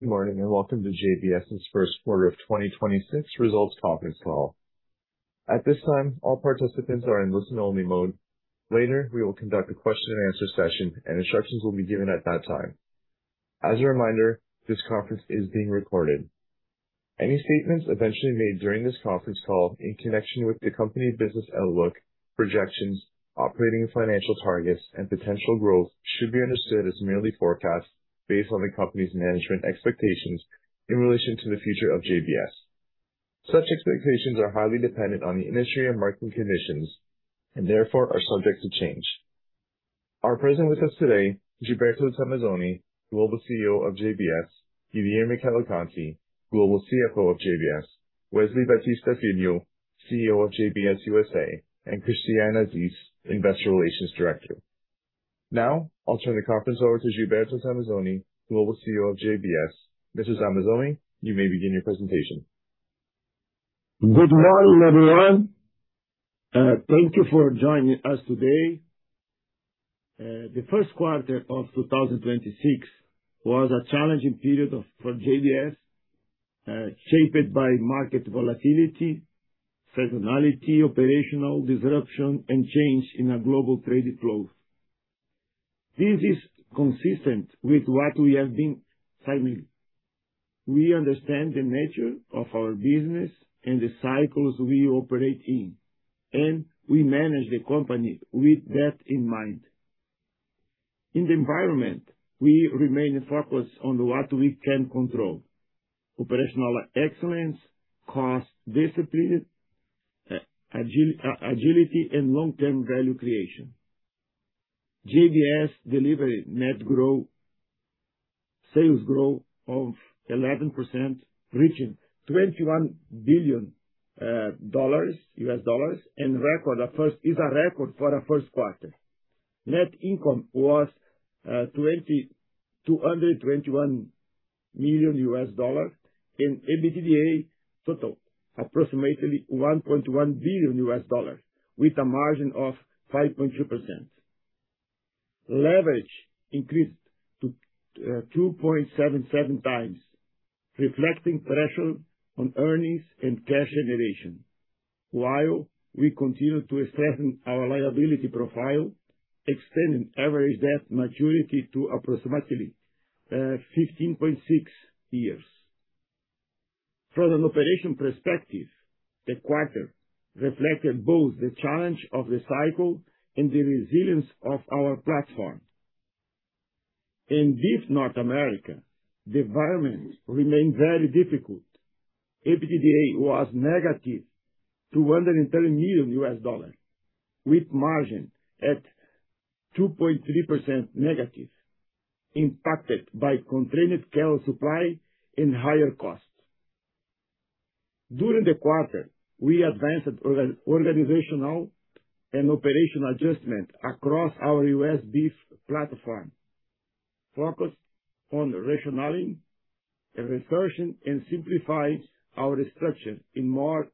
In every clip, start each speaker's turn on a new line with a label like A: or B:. A: Good morning, and welcome to JBS's first quarter of 2026 results conference call. At this time, all participants are in listen-only mode. Later, we will conduct a question and answer session and instructions will be given at that time. As a reminder, this conference is being recorded. Any statements eventually made during this conference call in connection with the company business outlook, projections, operating and financial targets, and potential growth should be understood as merely forecasts based on the company's management expectations in relation to the future of JBS. Such expectations are highly dependent on the industry and market conditions, and therefore are subject to change. Are present with us today, Gilberto Tomazoni, Global CEO of JBS, Guilherme Cavalcanti, Global CFO of JBS, Wesley Batista Filho, CEO of JBS USA, and Christiane Assis, Investor Relations Director. Now, I'll turn the conference over to Gilberto Tomazoni, Global CEO of JBS. Mr. Tomazoni, you may begin your presentation.
B: Good morning, everyone. Thank you for joining us today. The first quarter of 2026 was a challenging period for JBS, shaped by market volatility, seasonality, operational disruption, and change in a global trade flow. This is consistent with what we have been saying. We understand the nature of our business and the cycles we operate in, and we manage the company with that in mind. In the environment, we remain focused on what we can control: operational excellence, cost discipline, agility, and long-term value creation. JBS delivered net sales growth of 11%, reaching $21 billion, and is a record for a first quarter. Net income was $221 million and EBITDA total approximately $1.1 billion with a margin of 5.2%. Leverage increased to 2.77x, reflecting pressure on earnings and cash generation, while we continue to strengthen our liability profile, extending average debt maturity to approximately 15.6 years. From an operation perspective, the quarter reflected both the challenge of the cycle and the resilience of our platform. In beef North America, the environment remained very difficult. EBITDA was -$230 million, with margin at -2.3%, impacted by constrained cow supply and higher costs. During the quarter, we advanced organizational and operational adjustment across our U.S. beef platform, focused on rationalizing, reversion, and simplifying our structure in more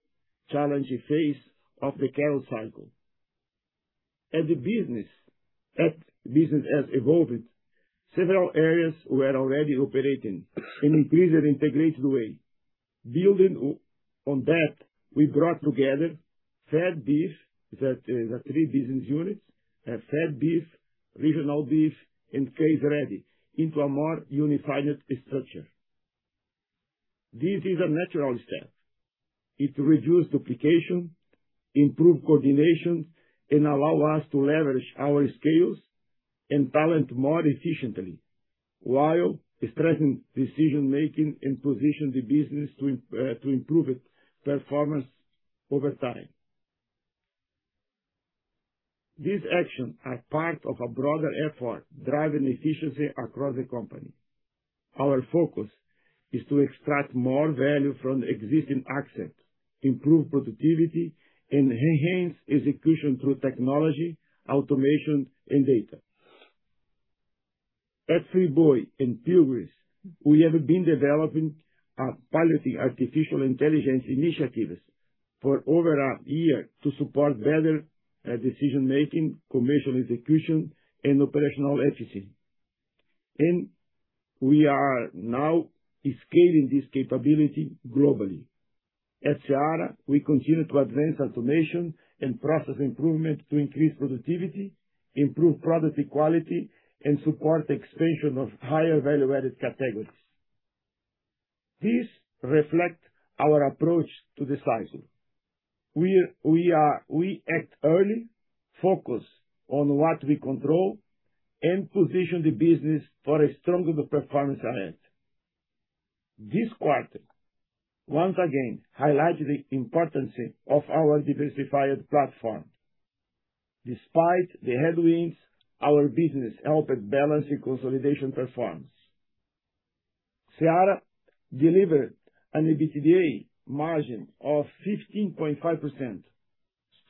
B: challenging phase of the cattle cycle. That business has evolved, several areas were already operating in increased integrated way. Building on that, we brought together fed beef, the three business units: fed-beef, regional-beef, and case-ready into a more unified structure. This is a natural step. It reduce duplication, improve coordination, and allow us to leverage our scales and talent more efficiently, while strengthening decision-making and position the business to improve its performance over time. These actions are part of a broader effort driving efficiency across the company. Our focus is to extract more value from existing assets, improve productivity, and enhance execution through technology, automation, and data. At Friboi and Pilgrim's, we have been developing pilot artificial intelligence initiatives for over a year to support better decision-making, commercial execution, and operational efficiency. We are now scaling this capability globally. At Seara, we continue to advance automation and process improvement to increase productivity, improve product quality, and support expansion of higher value-added categories. This reflect our approach to the sizing. We act early, focus on what we control, and position the business for a stronger performance ahead. This quarter, once again, highlight the importance of our diversified platform. Despite the headwinds, our business helped balance the consolidation performance. Seara delivered an EBITDA margin of 15.5%,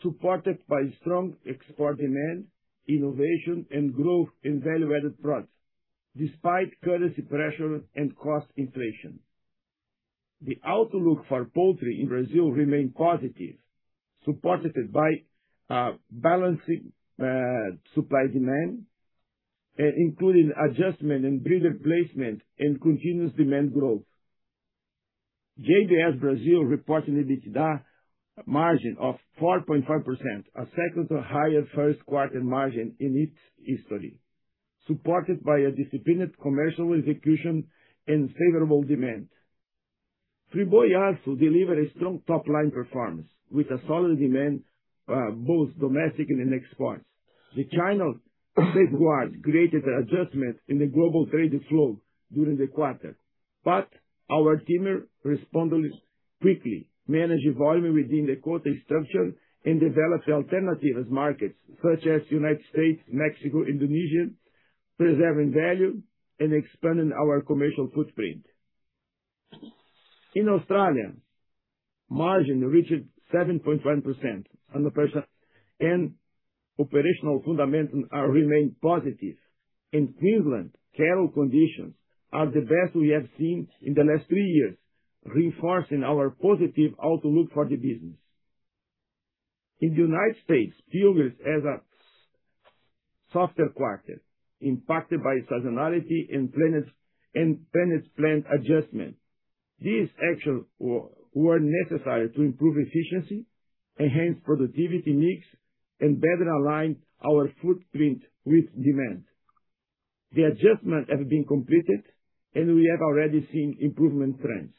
B: supported by strong export demand, innovation, and growth in value-added products despite currency pressure and cost inflation. The outlook for poultry in Brazil remain positive, supported by balancing supply demand, including adjustment and breeder placement and continuous demand growth. JBS Brazil reported an EBITDA margin of 4.5%, a second to higher first quarter margin in its history, supported by a disciplined commercial execution and favorable demand. Friboi also delivered a strong top line performance with a solid demand, both domestic and in exports. The China trade wars created an adjustment in the global trade flow during the quarter, but our team responded quickly, managed volume within the quarter structure, and developed alternative markets such as United States, Mexico, Indonesia, preserving value and expanding our commercial footprint. In Australia, margin reached 7.1% and operational fundamentals remain positive. In Queensland, cattle conditions are the best we have seen in the last three years, reinforcing our positive outlook for the business. In the United States, Pilgrim's had a softer quarter impacted by seasonality and planned plant adjustment. These actions were necessary to improve efficiency, enhance productivity mix, and better align our footprint with demand. The adjustments have been completed, we have already seen improvement trends.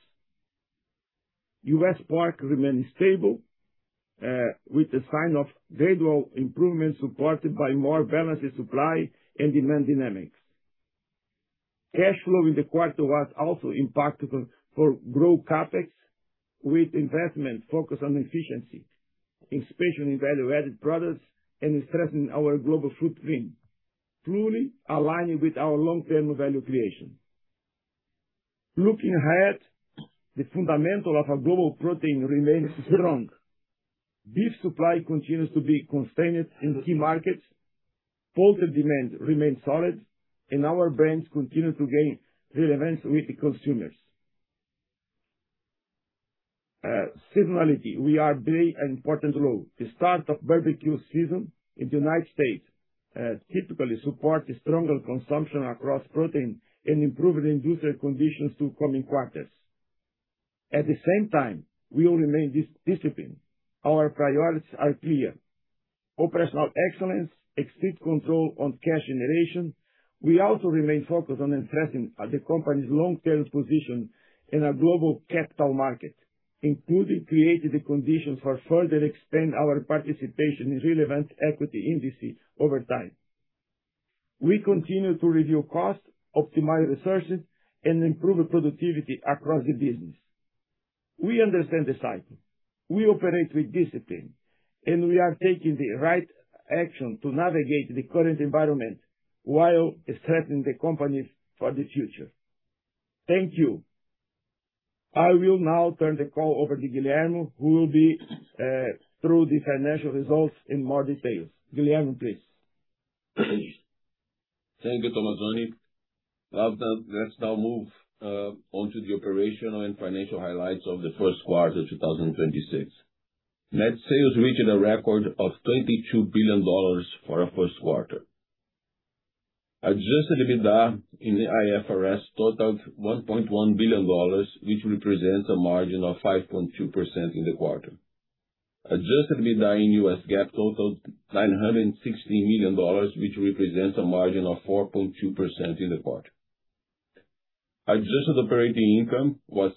B: U.S. pork remains stable, with the sign of gradual improvements supported by more balanced supply and demand dynamics. Cash flow in the quarter was also impactful for growth CapEx, with investment focused on efficiency, especially in value-added products and strengthening our global footprint, truly aligning with our long-term value creation. Looking ahead, the fundamental of our global protein remains strong. Beef supply continues to be constrained in key markets. Poultry demand remains solid, our brands continue to gain relevance with the consumers. Seasonality, we are very important low. The start of barbecue season in the United States, typically supports stronger consumption across protein and improve the industrial conditions to coming quarters. At the same time, we will remain disciplined. Our priorities are clear. Operational excellence, strict control on cash generation. We also remain focused on addressing the company's long-term position in a global capital market, including creating the conditions for further expand our participation in relevant equity indices over time. We continue to review costs, optimize resources, and improve productivity across the business. We understand the cycle. We operate with discipline, and we are taking the right action to navigate the current environment while strengthening the companies for the future. Thank you. I will now turn the call over to Guilherme, who will be through the financial results in more details. Guilherme, please.
C: Thank you, Tomazoni. Let's now move on to the operational and financial highlights of the first quarter 2026. Net sales reached a record of $22 billion for a first quarter. Adjusted EBITDA in IFRS totaled $1.1 billion, which represents a margin of 5.2% in the quarter. Adjusted EBITDA in U.S. GAAP totaled $960 million, which represents a margin of 4.2% in the quarter. Adjusted operating income was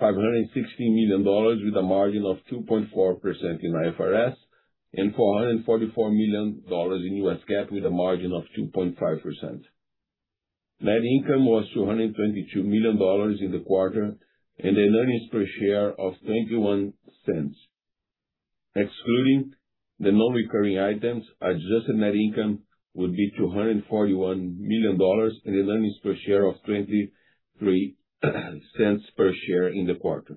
C: $560 million with a margin of 2.4% in IFRS and $444 million in U.S. GAAP with a margin of 2.5%. Net income was $222 million in the quarter and an earnings per share of $0.21. Excluding the non-recurring items, adjusted net income would be $241 million and an earnings per share of $0.23 per share in the quarter.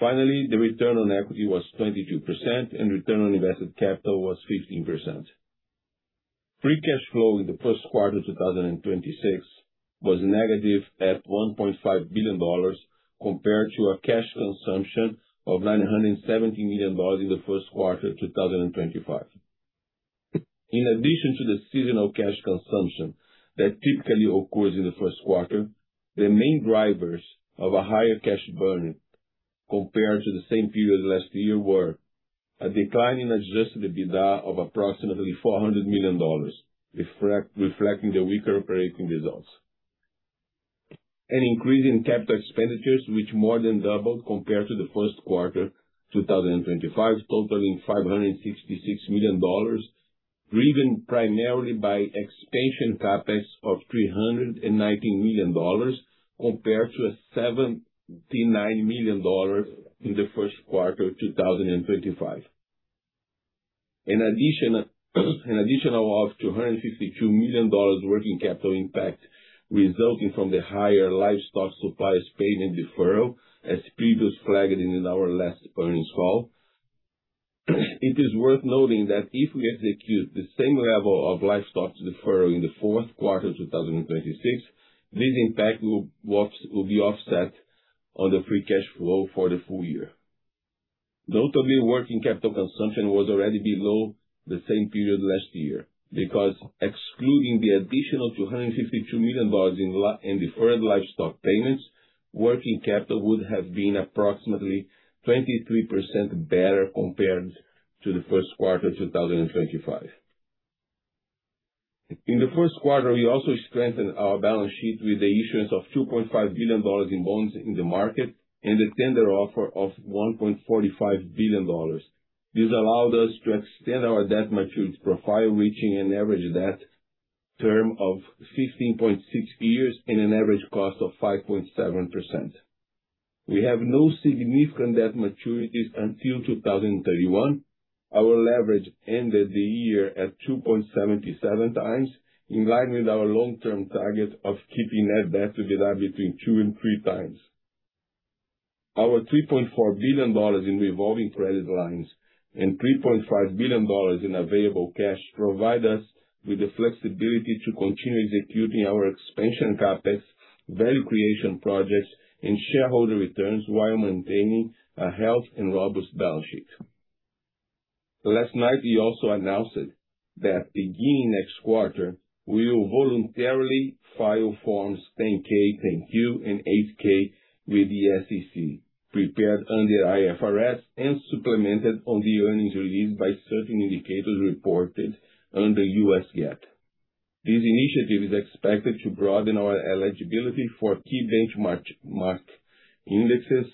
C: Finally, the return on equity was 22% and return on invested capital was 15%. Free cash flow in the first quarter of 2026 was -$1.5 billion compared to a cash consumption of $970 million in the first quarter of 2025. In addition to the seasonal cash consumption that typically occurs in the first quarter, the main drivers of a higher cash burn compared to the same period last year were a decline in adjusted EBITDA of approximately $400 million, reflecting the weaker operating results. An increase in capital expenditures, which more than doubled compared to the first quarter 2025, totaling $566 million, driven primarily by expansion CapEx of $390 million compared to a $79 million in the first quarter of 2025. An additional of $252 million working capital impact resulting from the higher livestock suppliers paid in deferral, as previously flagged in our last earnings call. It is worth noting that if we execute the same level of livestock deferral in the fourth quarter 2026, this impact will be offset on the free cash flow for the full year. Notably, working capital consumption was already below the same period last year because excluding the additional $252 million in deferred livestock payments, working capital would have been approximately 23% better compared to the first quarter 2025. In the first quarter, we also strengthened our balance sheet with the issuance of $2.5 billion in bonds in the market and a tender offer of $1.45 billion. This allowed us to extend our debt maturity profile, reaching an average debt term of 15.6 years and an average cost of 5.7%. We have no significant debt maturities until 2031. Our leverage ended the year at 2.77x, in line with our long-term target of keeping net debt to be between 2x and 3x. Our $3.4 billion in revolving credit lines and $3.5 billion in available cash provide us with the flexibility to continue executing our expansion CapEx, value creation projects and shareholder returns while maintaining a healthy and robust balance sheet. Last night, we also announced that beginning next quarter, we will voluntarily file forms 10-K, 10-Q, and 8-K with the SEC, prepared under IFRS and supplemented on the earnings release by certain indicators reported under U.S. GAAP. This initiative is expected to broaden our eligibility for key benchmark indexes,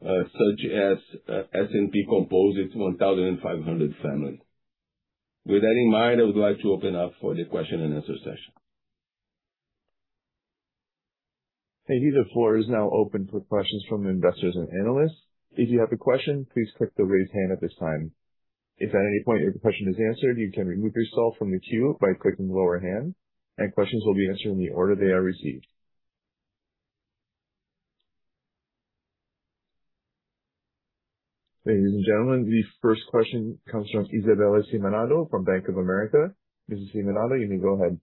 C: such as S&P Composite 1500 family. With that in mind, I would like to open up for the question and answer session.
A: Thank you. The floor is now open for questions from investors and analysts. If you have a question, please click the raise hand at this time. If at any point your question is answered, you can remove yourself from the queue by clicking the lower hand, and questions will be answered in the order they are received. Ladies and gentlemen, the first question comes from Isabella Simonato from Bank of America. Ms. Simonato, you may go ahead.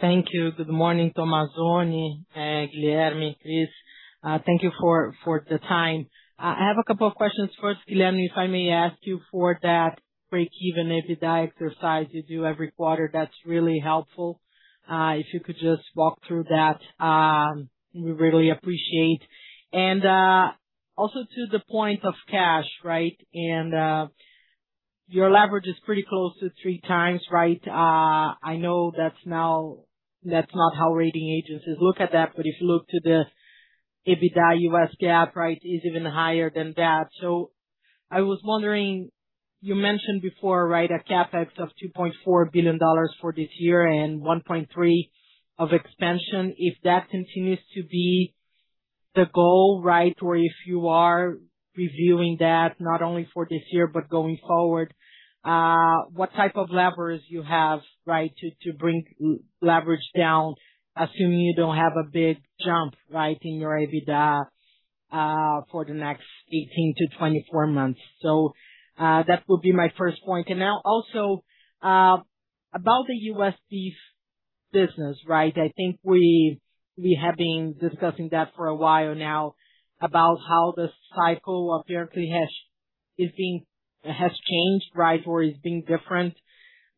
D: Thank you. Good morning, Tomazoni, Guilherme, Chris, thank you for the time. I have a couple of questions. First, Guilherme, if I may ask you for that breakeven EBITDA exercise you do every quarter. That's really helpful. If you could just walk through that, we really appreciate. Also to the point of cash, right? Your leverage is pretty close to 3x, right? I know that's not how rating agencies look at that. If you look to the EBITDA U.S. GAAP, right, is even higher than that. I was wondering, you mentioned before, right, a CapEx of $2.4 billion for this year and $1.3 billion of expansion. If that continues to be the goal, right? Or if you are reviewing that not only for this year but going forward, what type of levers you have, right, to bring leverage down? Assuming you don't have a big jump, right, in your EBITDA for the next 18 months-24 months. That would be my first point. Now also about the U.S. beef business, right? I think we have been discussing that for a while now about how the cycle apparently has changed, right? It is being different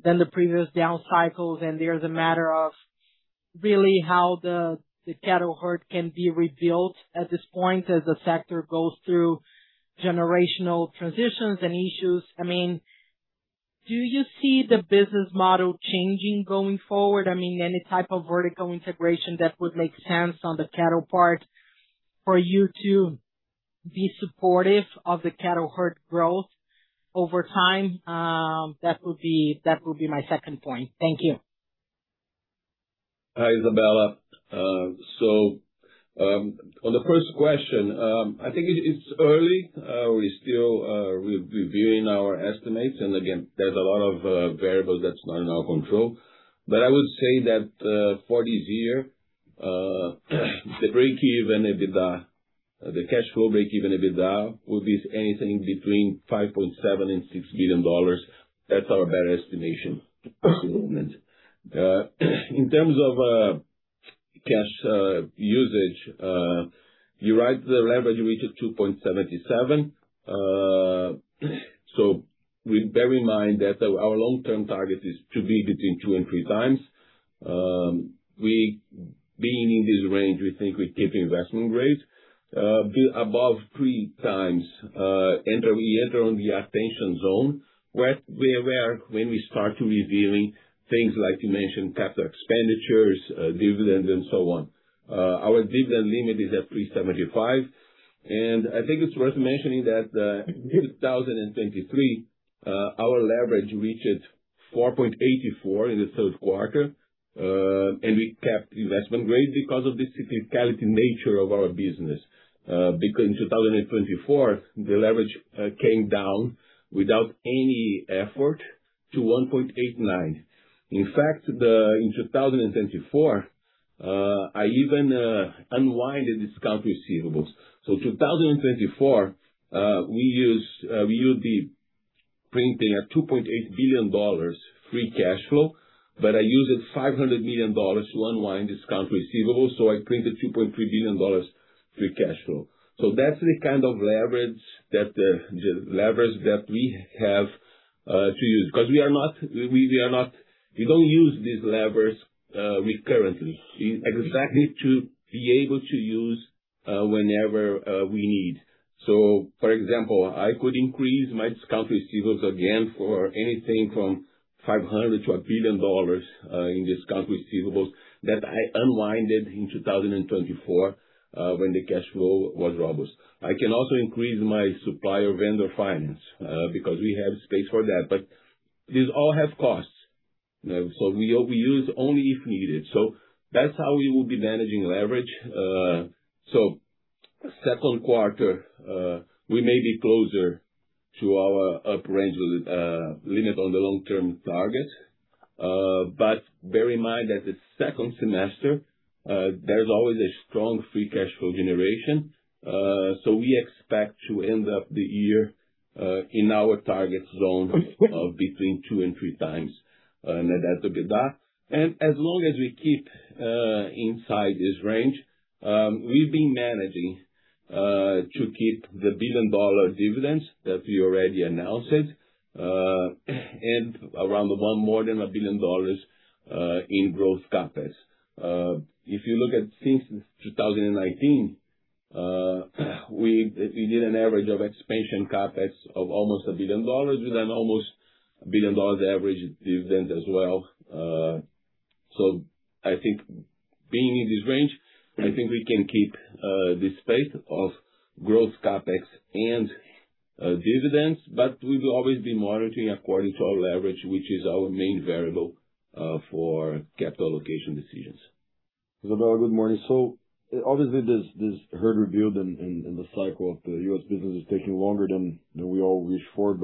D: than the previous down cycles. There's a matter of really how the cattle herd can be rebuilt at this point as the sector goes through generational transitions and issues. I mean, do you see the business model changing going forward? I mean, any type of vertical integration that would make sense on the cattle part for you to be supportive of the cattle herd growth over time? That would be my second point. Thank you.
C: Hi, Isabella. So, on the first question, I think it's early. We still re-reviewing our estimates. Again, there's a lot of variables that's not in our control. I would say that for this year, the breakeven EBITDA, the cash flow breakeven EBITDA will be anything between $5.7 billion and $6 billion. That's our best estimation at this moment. In terms of cash usage, you're right, the leverage reaches 2.77x. We bear in mind that our long-term target is to be between two and three times. Being in this range, we think we keep investment grade, be above three times, we enter on the attention zone, where we are aware when we start reviewing things like you mentioned, capital expenditures, dividends and so on. Our dividend limit is at $3.75. I think it's worth mentioning that, in 2023, our leverage reached 4.84x in the third quarter, and we kept investment grade because of the cyclicality nature of our business. Because in 2024, the leverage came down without any effort to 1.89x. In fact, in 2024 I even unwind the discount receivables. In 2024, we will be printing a $2.8 billion free cash flow, but I used $500 million to unwind discount receivables, so I printed $2.3 billion free cash flow. That's the kind of leverage that we have to use. Because we don't use these levers recurrently. We expect it to be able to use whenever we need. For example, I could increase my discount receivables again for anything from $500 million-$1 billion in discount receivables that I unwinded in 2024 when the cash flow was robust. I can also increase my supplier vendor finance because we have space for that. These all have costs, you know, so we use only if needed. That's how we will be managing leverage. Second quarter, we may be closer to our upper range with limit on the long-term target. Bear in mind that the second semester, there's always a strong free cash flow generation. We expect to end up the year in our target zone of between 2x and 3x net debt to EBITDA. As long as we keep inside this range, we've been managing to keep the billion-dollar dividends that we already announced and around about more than a billion dollars in growth CapEx. If you look at since 2019, we did an average of expansion CapEx of almost a billion dollars with an almost a billion dollars average dividend as well. I think being in this range, I think we can keep this pace of growth CapEx and dividends. But we will always be monitoring according to our leverage, which is our main variable for capital allocation decisions.
E: Isabella, good morning. Obviously this herd rebuild in the cycle of the U.S. business is taking longer than we all wish for.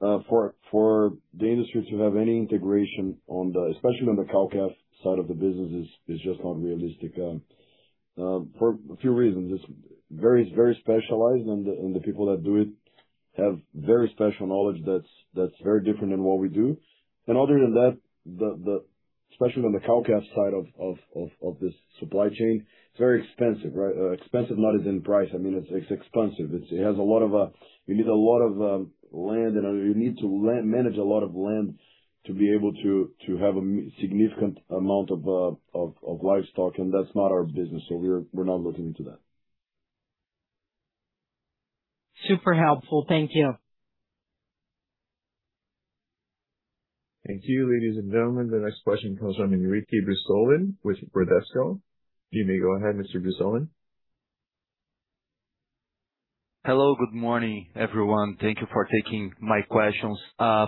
E: For the industry to have any integration on the especially on the cow-calf side of the business is just not realistic for a few reasons. It's very specialized and the people that do it have very special knowledge that's very different than what we do. Other than that, especially on the cow-calf side of this supply chain, it's very expensive, right? Expensive not as in price. I mean, it's expensive. You need a lot of land and you need to manage a lot of land to be able to have a significant amount of livestock. That's not our business. We're not looking into that.
D: Super helpful. Thank you.
A: Thank you. Ladies and gentlemen, the next question comes from Henrique Brustolin with Bradesco. You may go ahead, Mr. Brustolin.
F: Hello. Good morning, everyone. Thank you for taking my questions. I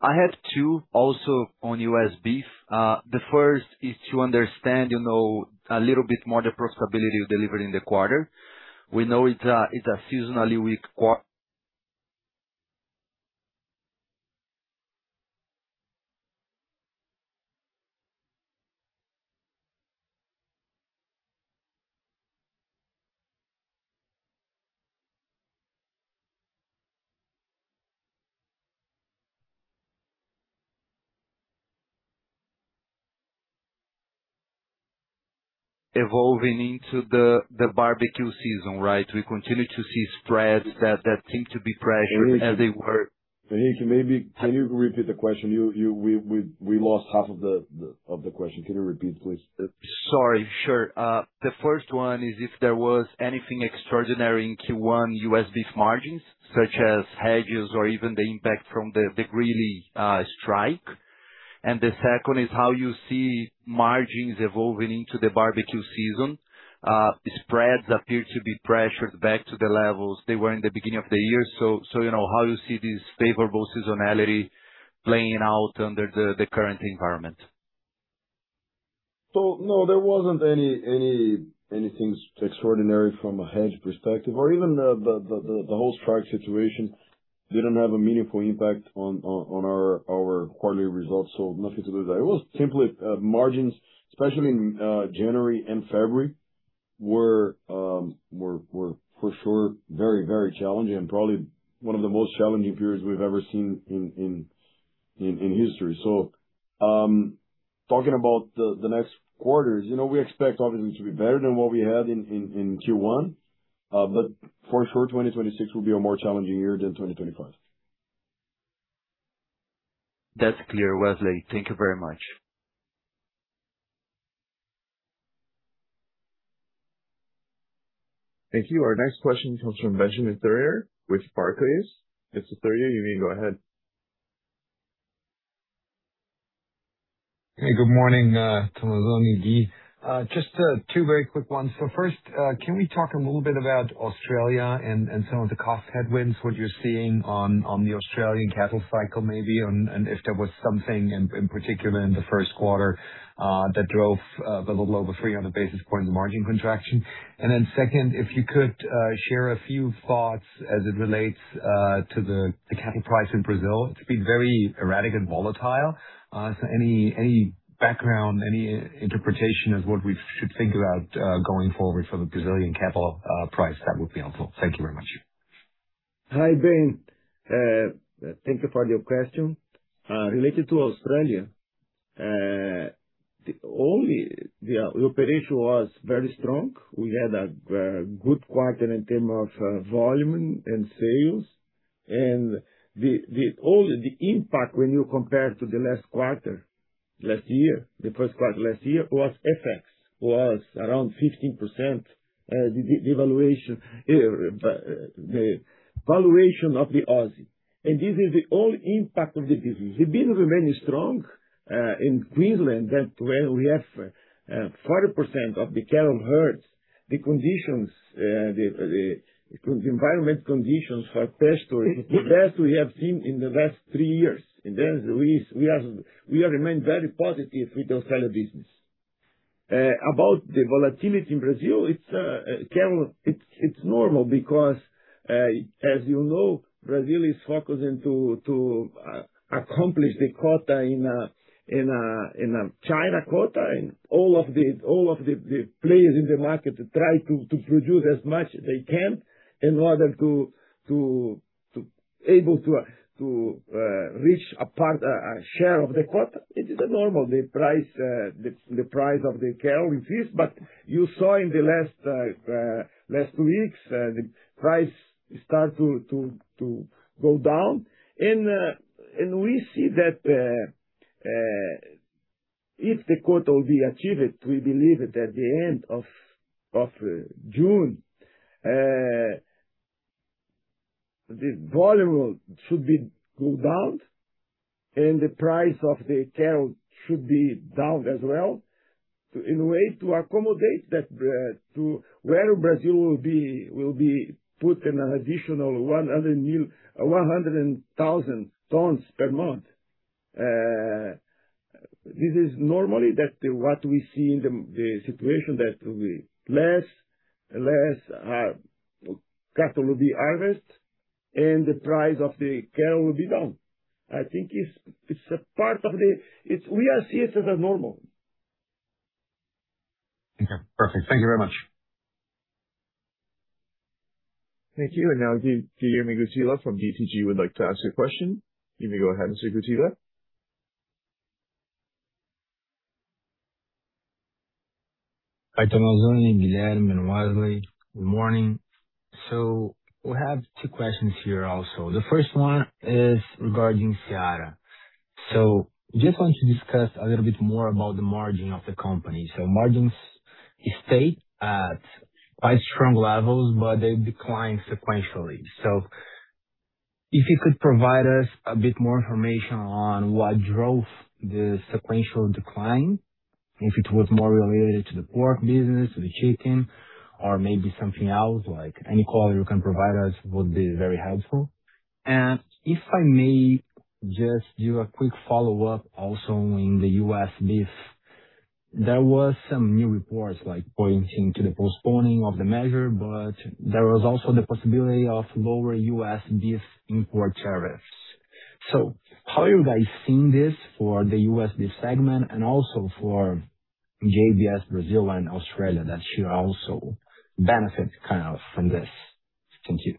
F: have two also on U.S. beef. The first is to understand, you know, a little bit more the profitability you delivered in the quarter. We know it's a seasonally weak [evolving] into the barbecue season, right? We continue to see spreads that seem to be pressured as they were.
E: Henrique, maybe can you repeat the question? We lost half of the question. Can you repeat, please? Sorry. Sure. The first one is if there was anything extraordinary in Q1 U.S. beef margins such as hedges or even the impact from the Greeley strike. The second is how you see margins evolving into the barbecue season. Spreads appear to be pressured back to the levels they were in the beginning of the year. You know, how you see this favorable seasonality playing out under the current environment? No, there wasn't anything extraordinary from a hedge perspective or even the whole strike situation didn't have a meaningful impact on our quarterly results. Nothing to do with that. It was simply, margins, especially in January and February were for sure very challenging and probably one of the most challenging periods we've ever seen in history. Talking about the next quarters, you know, we expect obviously to be better than what we had in Q1. For sure, 2026 will be a more challenging year than 2025.
F: That's clear, Wesley. Thank you very much.
A: Thank you. Our next question comes from Benjamin Theurer with Barclays. Mr. Theurer, you may go ahead.
G: Hey, good morning, Tomazoni, Guilherme. Just two very quick ones. First, can we talk a little bit about Australia and some of the cost headwinds, what you're seeing on the Australian cattle cycle maybe, and if there was something in particular in the first quarter that drove the little over 300 basis points in the margin contraction? Then second, if you could share a few thoughts as it relates to the cattle price in Brazil to be very erratic and volatile? Any background, any interpretation of what we should think about going forward for the Brazilian cattle price, that would be helpful. Thank you very much.
B: Hi, Ben. Thank you for your question. Related to Australia, the operation was very strong. We had a good quarter in terms of volume and sales. The impact when you compare to the first quarter last year was FX. Was around 15%, the devaluation, the valuation of the Aussie. This is the only impact of the business. The business remains strong in Queensland that where we have 40% of the cattle herds. The conditions, the environment conditions for pasture is the best we have seen in the last three years. We remain very positive with Australian business. About the volatility in Brazil, it's cattle, it's normal because, as you know, Brazil is focusing to accomplish the quota in a China quota. All of the players in the market try to produce as much as they can in order to able to reach a part, a share of the quota. It is normal. The price of the cattle increase. You saw in the last weeks, the price start to go down. We see that if the quota will be achieved, we believe it at the end of June, the volume should be cool down, and the price of the cattle should be down as well, in a way to accommodate that, to where Brazil will be put an additional 100,000 tons per month. This is normally what we see in the situation that less cattle will be harvested and the price of the cattle will be down. I think it's a part of the we see it as a normal.
G: Okay, perfect. Thank you very much.
A: Thank you. Now, Guilherme Guttilla from BTG would like to ask a question. You may go ahead, Mr. Guttilla.
H: Hi, Tomazoni, Guilherme and Wesley. Good morning. We have two questions here also. The first one is regarding Seara. Just want to discuss a little bit more about the margin of the company. Margins stay at quite strong levels, but they decline sequentially. If you could provide us a bit more information on what drove the sequential decline, if it was more related to the pork business, to the chicken, or maybe something else, like any color you can provide us would be very helpful. If I may just do a quick follow-up also in the U.S. beef. There was some new reports like pointing to the postponing of the measure, but there was also the possibility of lower U.S. beef import tariffs. How are you guys seeing this for the U.S. beef segment and also for JBS Brazil and Australia that should also benefit kind of from this? Thank you.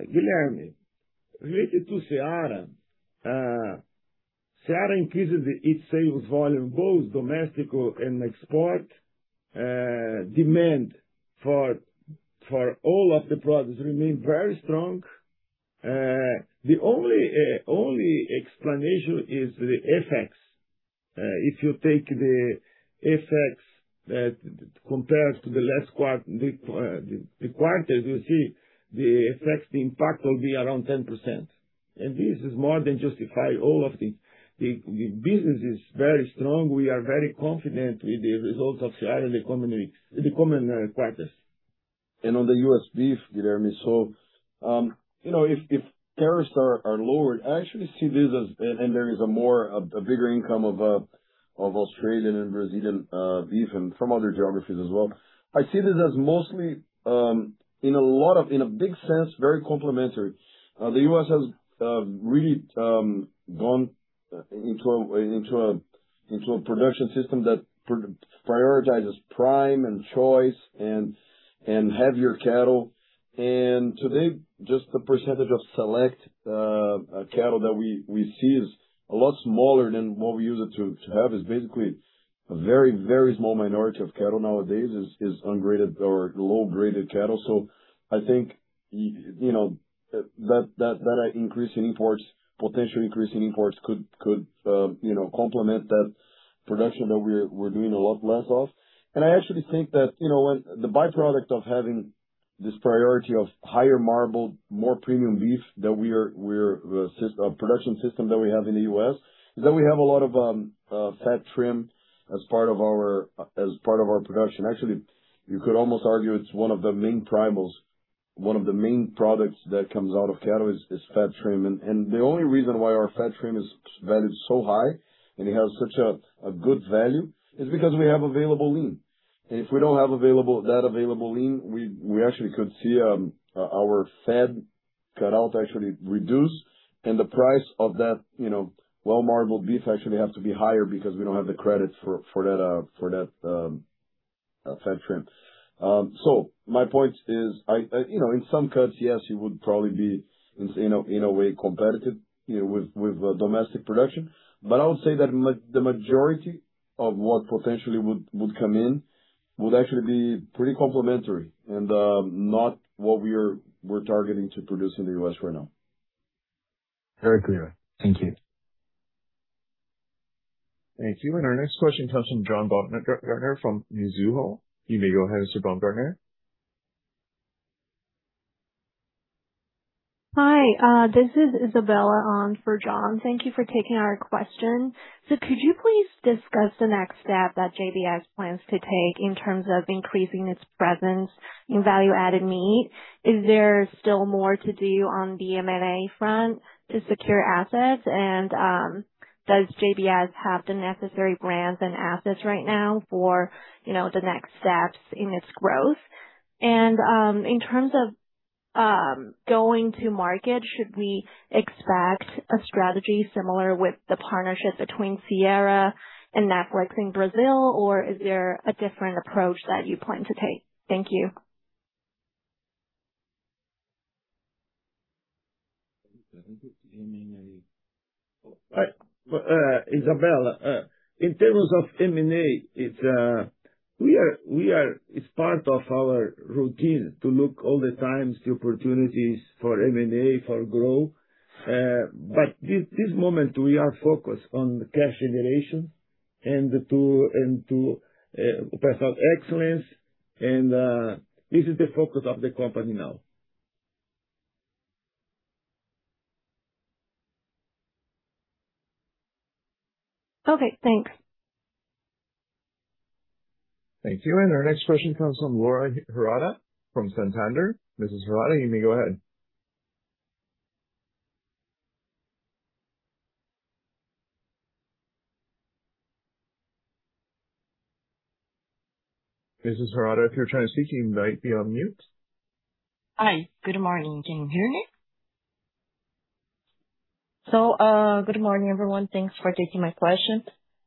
B: Guilherme, related to Seara, increases its sales volume both domestic or in export. Demand for all of the products remain very strong. The only explanation is the FX. If you take the FX compared to the last quarter, you'll see the FX, the impact will be around 10%. This is more than justify all of the business is very strong. We are very confident with the results of Seara in the coming quarters.
E: On the U.S. beef, Guilherme. If tariffs are lowered, I actually see this and there is a more, a bigger income of Australian and Brazilian beef and from other geographies as well. I see this as mostly in a big sense, very complementary. The U.S. has really gone into a production system that prioritizes Prime and Choice and heavier cattle. Today, just the percentage of Select cattle that we see is a lot smaller than what we're used to have. It's basically a very small minority of cattle nowadays is ungraded or low-graded cattle. I think, you know, that increase in imports, potential increase in imports could complement that production that we're doing a lot less of. I actually think that, you know, when the byproduct of having this priority of higher marbled, more premium beef that we're production system that we have in the U.S., is that we have a lot of fat trim as part of our production. Actually, you could almost argue it's one of the main primals. One of the main products that comes out of cattle is fat trim. The only reason why our fat trim is valued so high and it has such a good value is because we have available lean. If we don't have that available lean, we actually could see our fed cutout actually reduce. The price of that, you know, well-marbled beef actually have to be higher because we don't have the credits for that fat trim. My point is I, you know, in some cuts, yes, it would probably be in a way competitive, you know, with domestic production. I would say that the majority of what potentially would come in would actually be pretty complementary and not what we're targeting to produce in the U.S. right now.
H: Very clear. Thank you.
A: Thank you. Our next question comes from John Baumgartner from Mizuho. You may go ahead, Mr. Baumgartner.
I: Hi, this is Isabella Sun on for John. Thank you for taking our question. Could you please discuss the next step that JBS plans to take in terms of increasing its presence in value-added meat? Is there still more to do on the M&A front to secure assets? Does JBS have the necessary brands and assets right now for, you know, the next steps in its growth? In terms of going to market, should we expect a strategy similar with the partnership between Seara and Netflix in Brazil, or is there a different approach that you plan to take? Thank you.
B: I think it's M&A. Isabella, in terms of M&A, it's part of our routine to look all the times the opportunities for M&A for growth. But this moment we are focused on the cash generation and to perform excellence and this is the focus of the company now.
I: Okay, thanks.
A: Thank you. Our next question comes from Laura Hirata from Santander. Mrs. Hirata, you may go ahead. Mrs. Hirata, if you're trying to speak, you might be on mute.
J: Hi. Good morning. Can you hear me? Good morning, everyone. Thanks for taking my questions.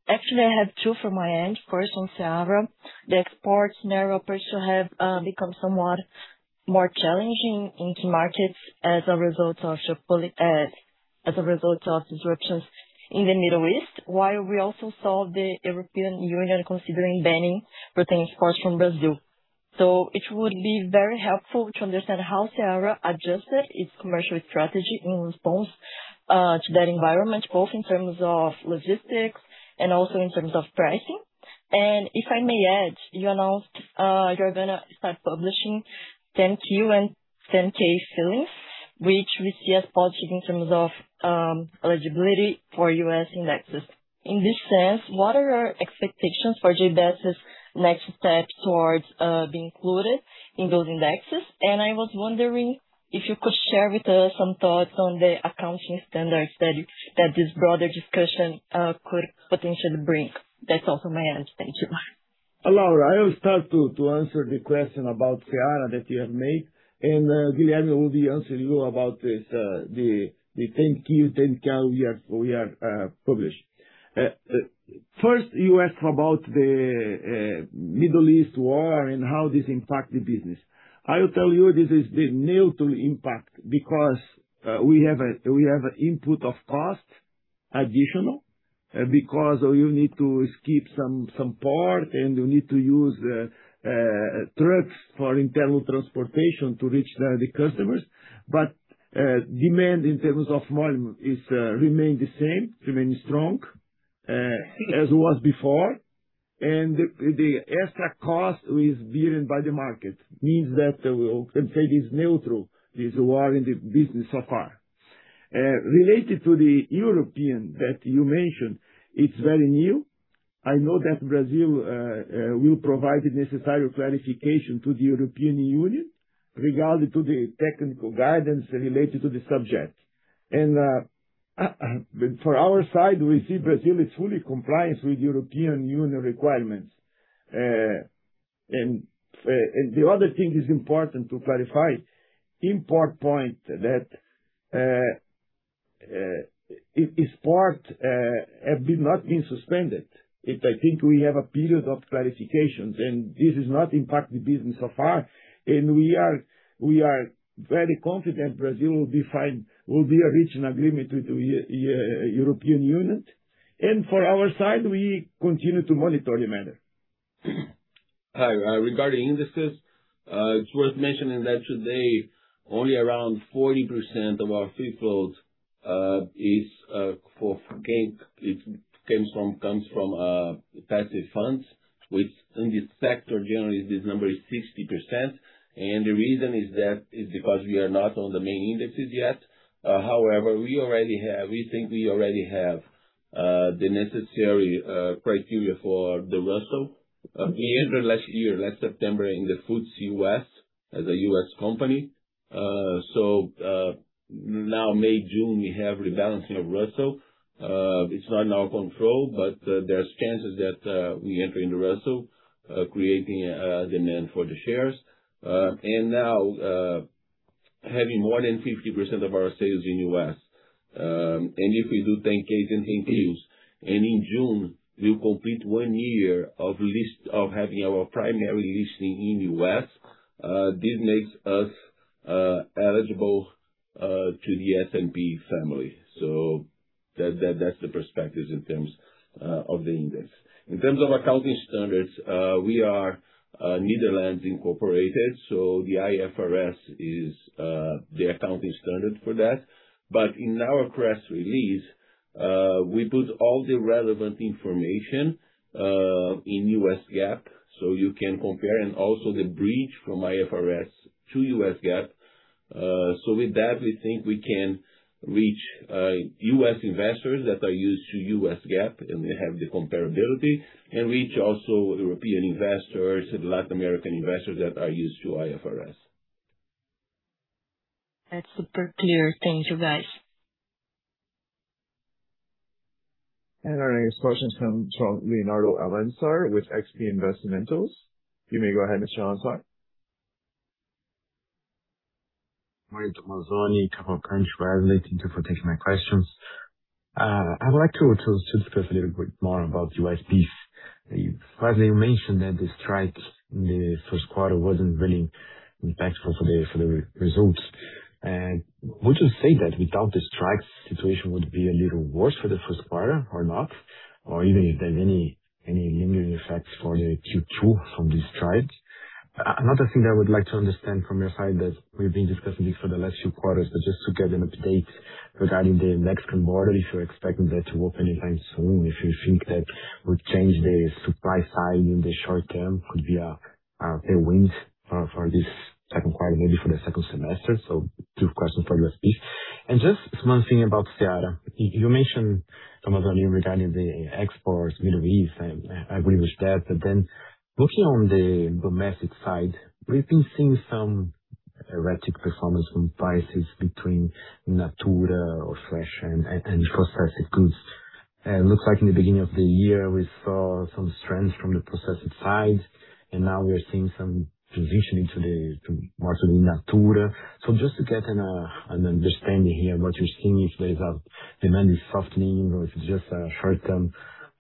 J: Actually, I have two from my end, first on Seara. The exports narrow approach to have become somewhat more challenging into markets as a result of disruptions in the Middle East, while we also saw the European Union considering banning protein exports from Brazil. It would be very helpful to understand how Seara adjusted its commercial strategy in response to that environment, both in terms of logistics and also in terms of pricing. If I may add, you announced, you're gonna start publishing 10-Q and 10-K filings, which we see as positive in terms of eligibility for U.S. indexes. In this sense, what are your expectations for JBS's next step towards being included in those indexes? I was wondering if you could share with us some thoughts on the accounting standards that this broader discussion could potentially bring. That's all from my end. Thank you so much.
B: Laura, I will start to answer the question about Seara that you have made, and Guilherme will be answering you about this, the 10-Q, 10-K we are published. First, you asked about the Middle East war and how this impact the business. I'll tell you this is the neutral impact because we have input of costs additional, because you need to skip some port, and you need to use trucks for internal transportation to reach the customers. Demand in terms of volume is remain the same, remain strong as it was before. The extra cost is bearing by the market, means that we can say it is neutral, this war in the business so far. Related to the European that you mentioned, it's very new. I know that Brazil will provide the necessary clarification to the European Union regarding to the technical guidance related to the subject. For our side, we see Brazil is fully compliant with European Union requirements. The other thing is important to clarify, import point that e-export have been not been suspended. I think we have a period of clarifications, and this has not impacted the business so far. We are very confident Brazil will be fine, will be reaching agreement with the European Union. For our side, we continue to monitor the matter.
C: Hi. Regarding indices, it's worth mentioning that today only around 40% of our free float comes from passive funds, which in this sector generally this number is 60%. The reason is that is because we are not on the main indexes yet. However, we think we already have the necessary criteria for the Russell. We entered last year, last September, in the FTSE U.S. as a U.S. company. Now, May, June, we have rebalancing of Russell. It's not in our control, there's chances that we enter into Russell, creating demand for the shares. Having more than 50% of our sales in U.S. If we do 10-K and 10-Qs, and in June we'll complete one year of having our primary listing in U.S., this makes us eligible to the S&P family. That's the perspectives in terms of the index. In terms of accounting standards, we are Netherlands incorporated, so the IFRS is the accounting standard for that. In our press release, we put all the relevant information in U.S. GAAP, so you can compare, and also the bridge from IFRS to U.S. GAAP. With that, we think we can reach U.S. investors that are used to U.S. GAAP, and we have the comparability, and reach also European investors and Latin American investors that are used to IFRS.
J: That's super clear. Thank you, guys.
A: Our next question comes from Leonardo Alencar with XP Investimentos. You may go ahead, Mr. Alencar.
K: Morning, Tomazoni, couple of questions for you. Thank you for taking my questions. I would like to discuss a little bit more about U.S. beef. Firstly, you mentioned that the strike in the first quarter wasn't really impactful for the results. Would you say that without the strikes, situation would be a little worse for the first quarter or not? Or even if there's any lingering effects for the Q2 from these strikes? Another thing I would like to understand from your side that we've been discussing this for the last few quarters, but just to get an update regarding the Mexican border, if you're expecting that to open anytime soon, if you think that would change the supply side in the short term, could be a fair wind for this second quarter, maybe for the second semester? Two questions for U.S. beef. Just one thing about Seara. You mentioned, Tomazoni, regarding the exports Middle East, and I agree with that. Looking on the domestic side, we've been seeing some erratic performance from prices between Natura or fresh and processed goods. It looks like in the beginning of the year, we saw some strength from the processed side, and now we are seeing some transitioning to more to the Natura. Just to get an understanding here, what you're seeing, if there's a demand is softening or if it's just a short-term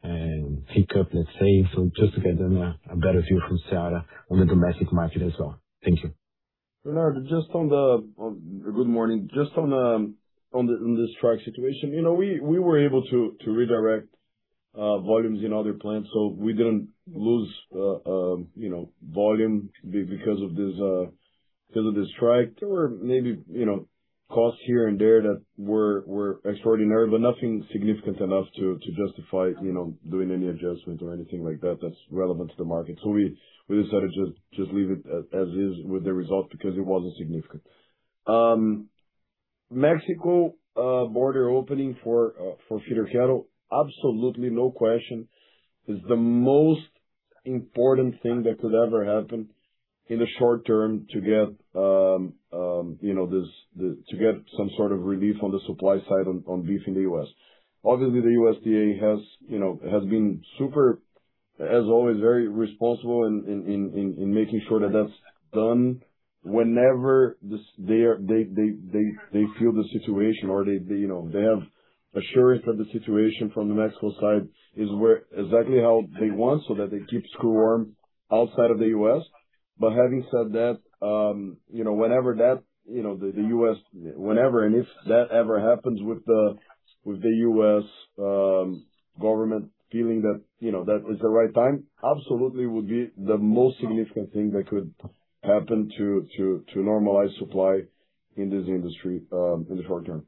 K: hiccup, let's say? Just to get a better view from Seara on the domestic market as well. Thank you.
E: Leonardo, good morning. Just on the strike situation. You know, we were able to redirect volumes in other plants, so we didn't lose, you know, volume because of this, because of the strike. There were maybe, you know, costs here and there that were extraordinary, but nothing significant enough to justify, you know, doing any adjustment or anything like that that's relevant to the market. We decided to just leave it as is with the result because it wasn't significant. Mexico border opening for feeder cattle, absolutely no question, is the most important thing that could ever happen in the short term to get, you know, some sort of relief on the supply side on beef in the U.S. Obviously, the USDA has been super, as always, very responsible in making sure that that's done whenever they feel the situation or they have assurance that the situation from the Mexico side is exactly how they want, so that they keep screwworm outside of the U.S. Having said that, whenever that, whenever and if that ever happens with the U.S. government feeling that is the right time, absolutely would be the most significant thing that could happen to normalize supply in this industry in the short term.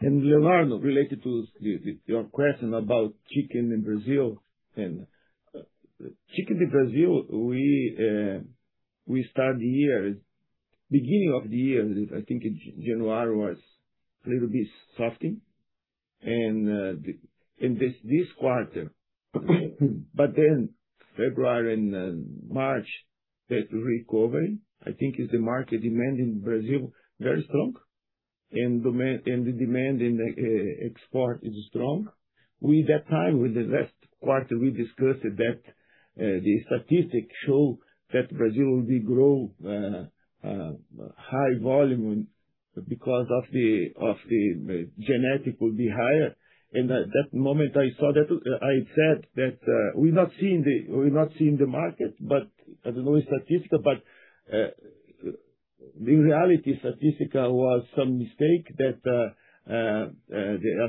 B: Leonardo, related to your question about chicken in Brazil, we start the year, beginning of the year. I think January was a little bit softening this quarter. February and March, that recovery, I think, is the market demand in Brazil very strong. The demand in the export is strong. That time with the last quarter, we discussed that the statistics show that Brazil will grow high volume because of the genetics will be higher. At that moment I saw that, I said that we're not seeing the market, I don't know a statistical, the reality statistical was some mistake that the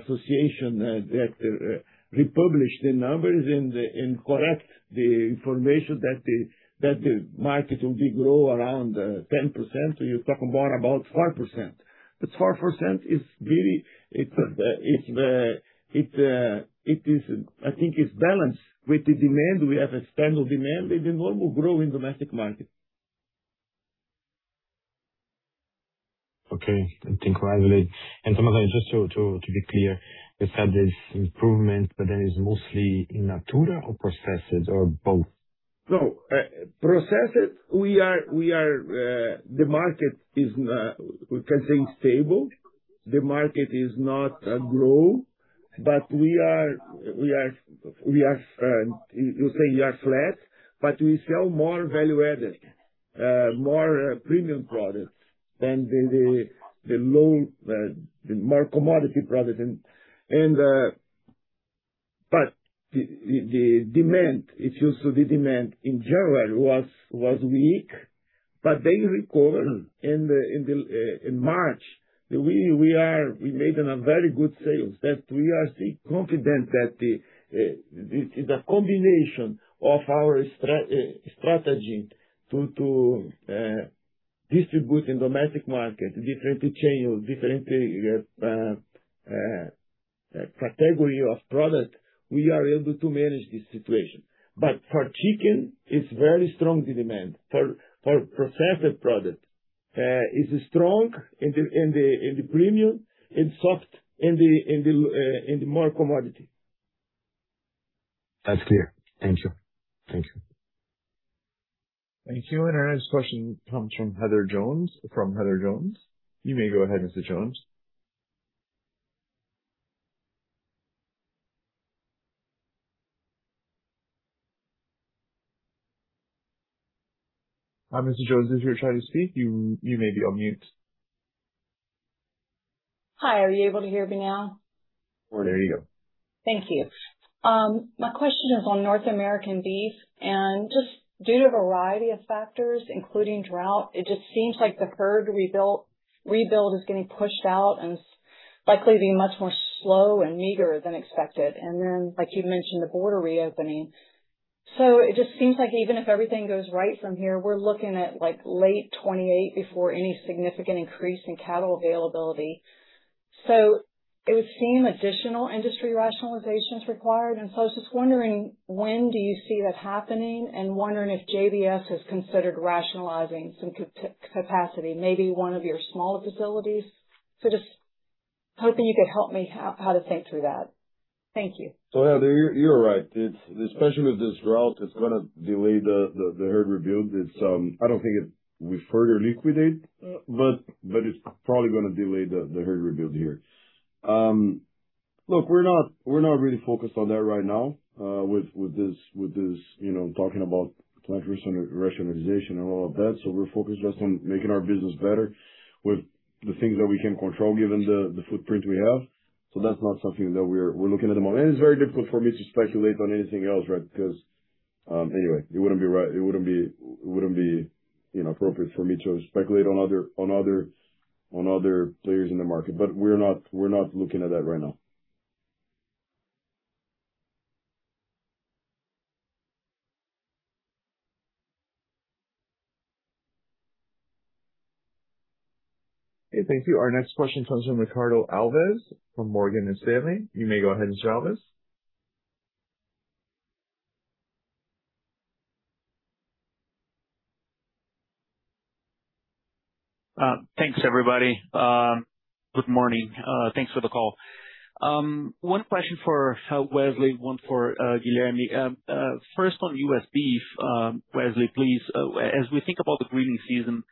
B: association that republish the numbers and incorrect the information that the market will be grow around 10%. You're talking more about 4%. 4% is really, it is I think it's balanced with the demand. We have a standard demand with the normal grow in domestic market.
K: Okay. Thank you. Just to be clear, you said there's improvement, it's mostly in Natura or processed or both?
B: No. processed, the market is, we can say stable. The market is not grow, but we are flat, but we sell more value added, more premium products than the, the low, the more commodity products. The demand, it's just the demand in general was weak, but they recover in March. We made a very good sales that we are still confident that this is a combination of our strategy to distribute in domestic market, different retail, different category of product. We are able to manage this situation. For chicken, it's very strong, the demand. For processed product, is strong in the premium and soft in the more commodity.
K: That's clear. Thank you.
A: Thank you. Our next question comes from Heather Jones. From Heather Jones Research. You may go ahead, Mrs. Jones. Mrs. Jones, if you're trying to speak, you may be on mute.
L: Hi, are you able to hear me now?
A: We can hear you.
L: Thank you. My question is on North American beef. Just due to a variety of factors, including drought, it just seems like the herd rebuild is getting pushed out and likely be much more slow and meager than expected. Then, like you mentioned, the border reopening. It just seems like even if everything goes right from here, we're looking at, like, late 2028 before any significant increase in cattle availability. It would seem additional industry rationalization is required. I was just wondering when do you see that happening and wondering if JBS has considered rationalizing some capacity, maybe one of your smaller facilities. Just hoping you could help me how to think through that? Thank you.
E: Heather, you're right. Especially with this drought, it's going to delay the herd rebuild. I don't think it will further liquidate, but it's probably going to delay the herd rebuild here. Look, we're not really focused on that right now, with this, you know, talking about rationalization and all of that. We're focused just on making our business better with the things that we can control given the footprint we have. That's not something that we're looking at the moment. It's very difficult for me to speculate on anything else, right? Because, anyway, it wouldn't be right. It wouldn't be, you know, appropriate for me to speculate on other players in the market. We're not looking at that right now.
A: Okay. Thank you. Our next question comes from Ricardo Alves from Morgan Stanley. You may go ahead, Mr. Alves.
M: Thanks, everybody. Good morning. Thanks for the call. One question for Wesley, one for Guilherme. First on U.S. beef, Wesley, please. As we think about the grilling season,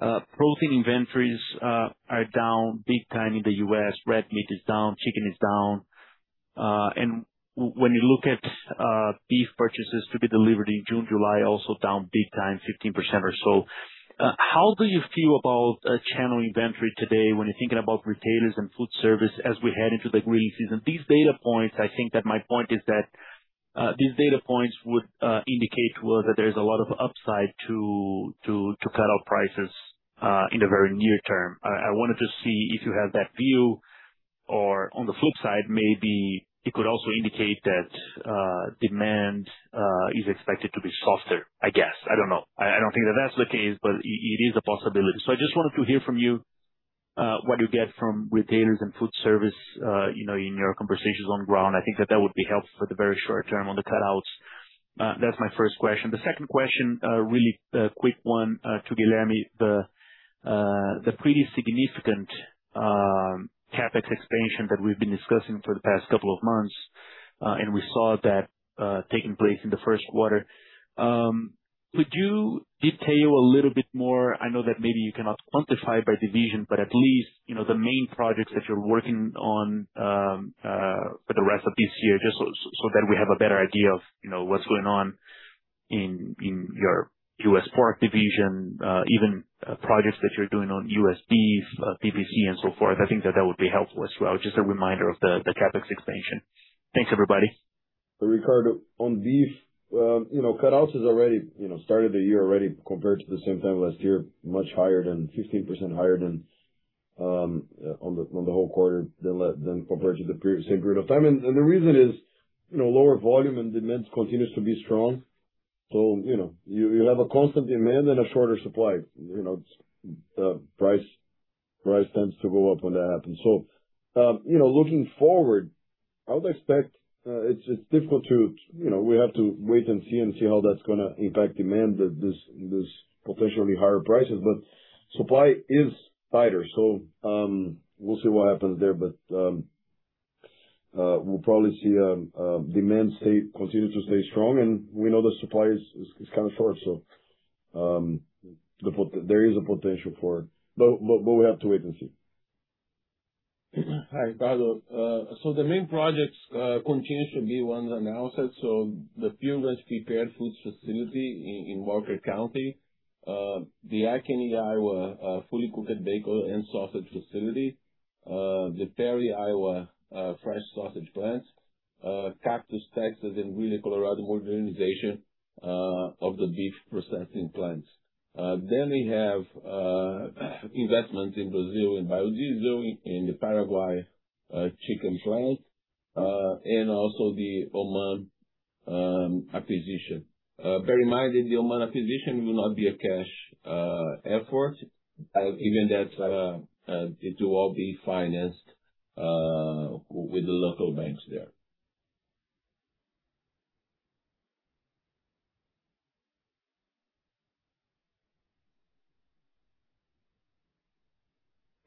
M: protein inventories are down big time in the U.S. Red meat is down, chicken is down. When you look at beef purchases to be delivered in June, July, also down big time, 15% or so. How do you feel about channel inventory today when you're thinking about retailers and food service as we head into the grilling season? These data points, I think that my point is that these data points would indicate to us that there's a lot of upside to cattle prices in the very near term. I wanted to see if you have that view or on the flip side, maybe it could also indicate that demand is expected to be softer, I guess. I don't know. I don't think that that's the case, but it is a possibility. I just wanted to hear from you, what you get from retailers and food service, you know, in your conversations on ground? I think that that would be helpful for the very short term on the cutouts. That's my first question. The second question, really a quick one to Guilherme. The pretty significant CapEx expansion that we've been discussing for the past couple of months, and we saw that taking place in the first quarter. Could you detail a little bit more, I know that maybe you cannot quantify by division, but at least, you know, the main projects that you're working on for the rest of this year, just so that we have a better idea of you know, what's going on in your U.S. pork division? Even projects that you're doing on U.S. beef, PPC and so forth. I think that that would be helpful as well. Just a reminder of the CapEx expansion. Thanks, everybody.
E: Ricardo, on beef, cutouts is already started the year already compared to the same time last year, 15% higher than on the whole quarter than compared to the period, same period of time. The reason is lower volume and demand continues to be strong. You have a constant demand and a shorter supply. Price tends to go up when that happens. Looking forward, I would expect it's difficult to we have to wait and see and see how that's gonna impact demand, this potentially higher prices, but supply is tighter. We'll see what happens there. We'll probably see demand continue to stay strong, and we know the supply is kind of short. There is a potential for it, but we have to wait and see.
C: Hi, Ricardo. The main projects continue to be ones announced. The Pilgrim's Prepared Foods facility in Marshall County, the Ankeny, Iowa, fully cooked bacon and sausage facility, the Perry, Iowa, fresh sausage plant, Cactus, Texas, and Greeley, Colorado, modernization of the beef processing plants. We have investment in Brazil with Biodiesel, in the Paraguay chicken plant, and also the Oman acquisition. Bear in mind that the Oman acquisition will not be a cash effort, given that it will all be financed with the local banks there.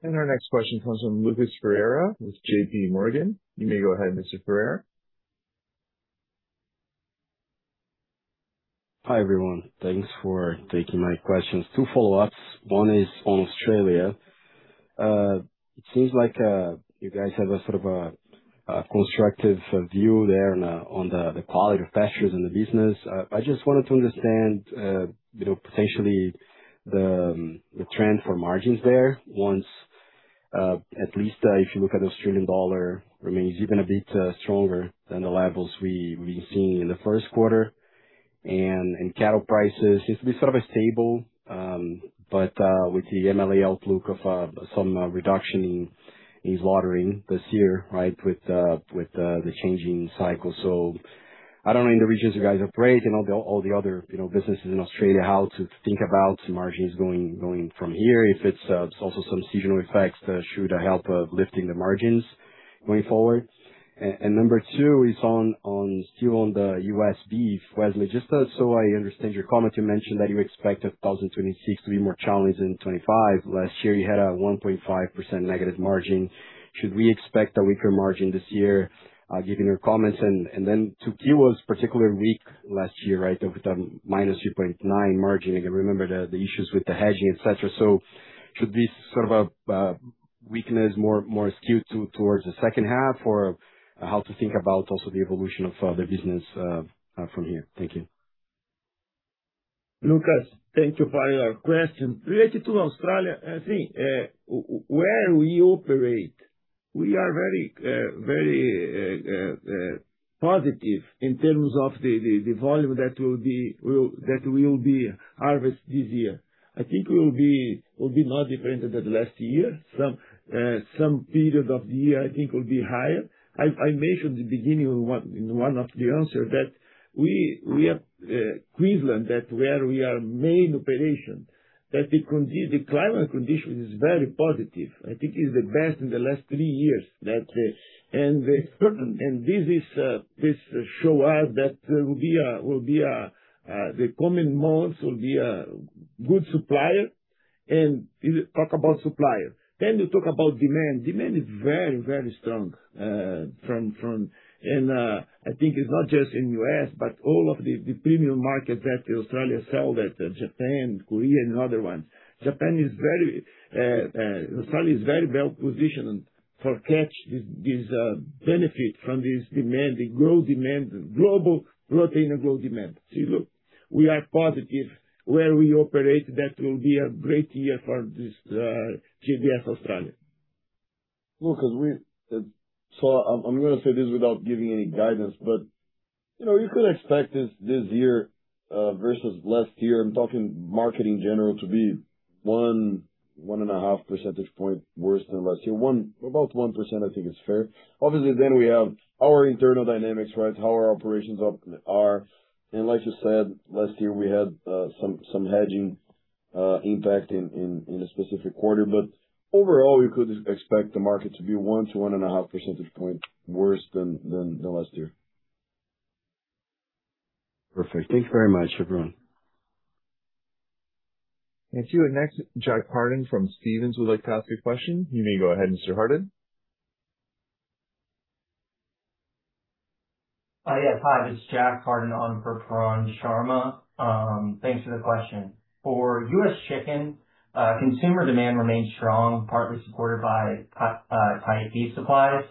A: Our next question comes from Lucas Ferreira with JPMorgan. You may go ahead, Mr. Ferreira.
N: Hi, everyone. Thanks for taking my questions. Two follow-ups. One is on Australia. It seems like you guys have a sort of a constructive view there on the quality of pastures in the business. I just wanted to understand, you know, potentially the trend for margins there once, at least, if you look at Australian dollar remains even a bit stronger than the levels we've seen in the first quarter? Cattle prices seems to be sort of stable, but with the MLA outlook of some reduction in slaughtering this year, right? With the changing cycle. I don't know, in the regions you guys operate and all the other, you know, businesses in Australia, how to think about margins going from here, if it's also some seasonal effects that should help lifting the margins going forward? Number two is still on the U.S. beef. Wesley, just so I understand your comment, you mentioned that you expect 2026 to be more challenging than 2025. Last year you had a -1.5% margin. Should we expect a weaker margin this year given your comments? Then 3Q was particularly weak last year, right, with a -3.9% margin. Again, remember the issues with the hedging, et cetera. Should this sort of weakness more skewed towards the second half? How to think about also the evolution of the business from here? Thank you.
B: Lucas, thank you for your question. Related to Australia, I think, where we operate, we are very positive in terms of the volume that will be harvested this year. I think we'll be not dependent than last year. Some period of the year I think will be higher. I mentioned the beginning in one of the answer that we are Queensland that where we are main operation, that the climate condition is very positive. I think it's the best in the last three years. That and this is this show us that will be the coming months will be a good supplier. You talk about supplier, then you talk about demand. Demand is very, very strong. I think it's not just in U.S., but all of the premium markets that Australia sell that Japan, Korea and other ones. Australia is very well positioned for catch this benefit from this demand, the growth demand, global protein growth demand. We are positive where we operate that will be a great year for this JBS Australia.
E: Lucas, I'm going to say this without giving any guidance, but, you know, you could expect this year, versus last year, I'm talking market in general to be 1 percentage point-1.5 percentage point worse than last year. About 1% I think is fair. Obviously, we have our internal dynamics, right? How our operations are. Like you said, last year we had some hedging impact in a specific quarter. Overall, we could expect the market to be 1 precentage point-1.5 percentage point worse than last year.
N: Perfect. Thank you very much, everyone.
A: Thank you. Next, Jack Hardin from Stephens would like to ask a question. You may go ahead, Mr. Hardin.
O: Yes. Hi, this is Jack Hardin on for Pooran Sharma. Thanks for the question. For U.S. Chicken, consumer demand remains strong, partly supported by tight beef supplies,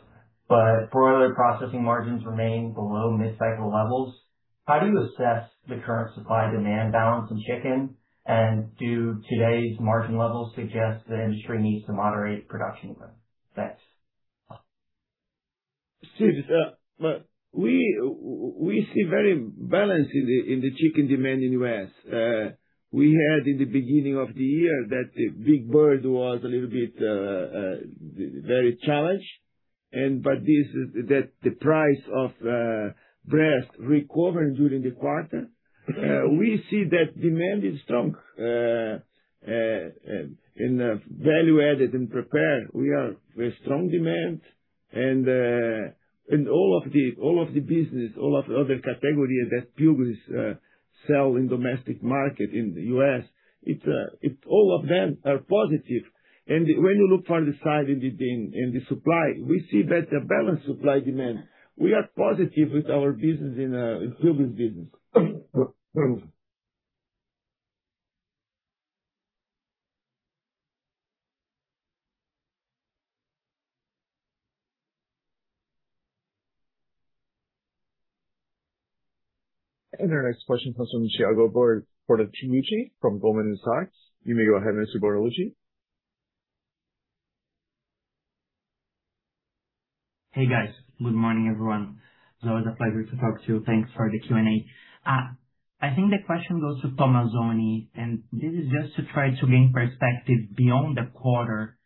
O: but broiler processing margins remain below mid-cycle levels. How do you assess the current supply-demand balance in chicken? Do today's margin levels suggest the industry needs to moderate production growth? Thanks.
B: We see very balance in the chicken demand in U.S. We had in the beginning of the year that the big bird was a little bit very challenged and but that the price of breast recovered during the quarter. We see that demand is strong in value added and prepared, we are very strong demand and all of the business, all of the other categories that Pilgrim's sell in domestic market in the U.S., it's all of them are positive. When you look for the side in the supply, we see better balance supply demand. We are positive with our business in Pilgrim's business.
A: Our next question comes from Thiago Bortoluci from Goldman Sachs. You may go ahead, Mr. Bortoluci.
P: Hey, guys. Good morning, everyone. It's always a pleasure to talk to you. Thanks for the Q&A. I think the question goes to Tomazoni, and this is just to try to gain perspective beyond the quarter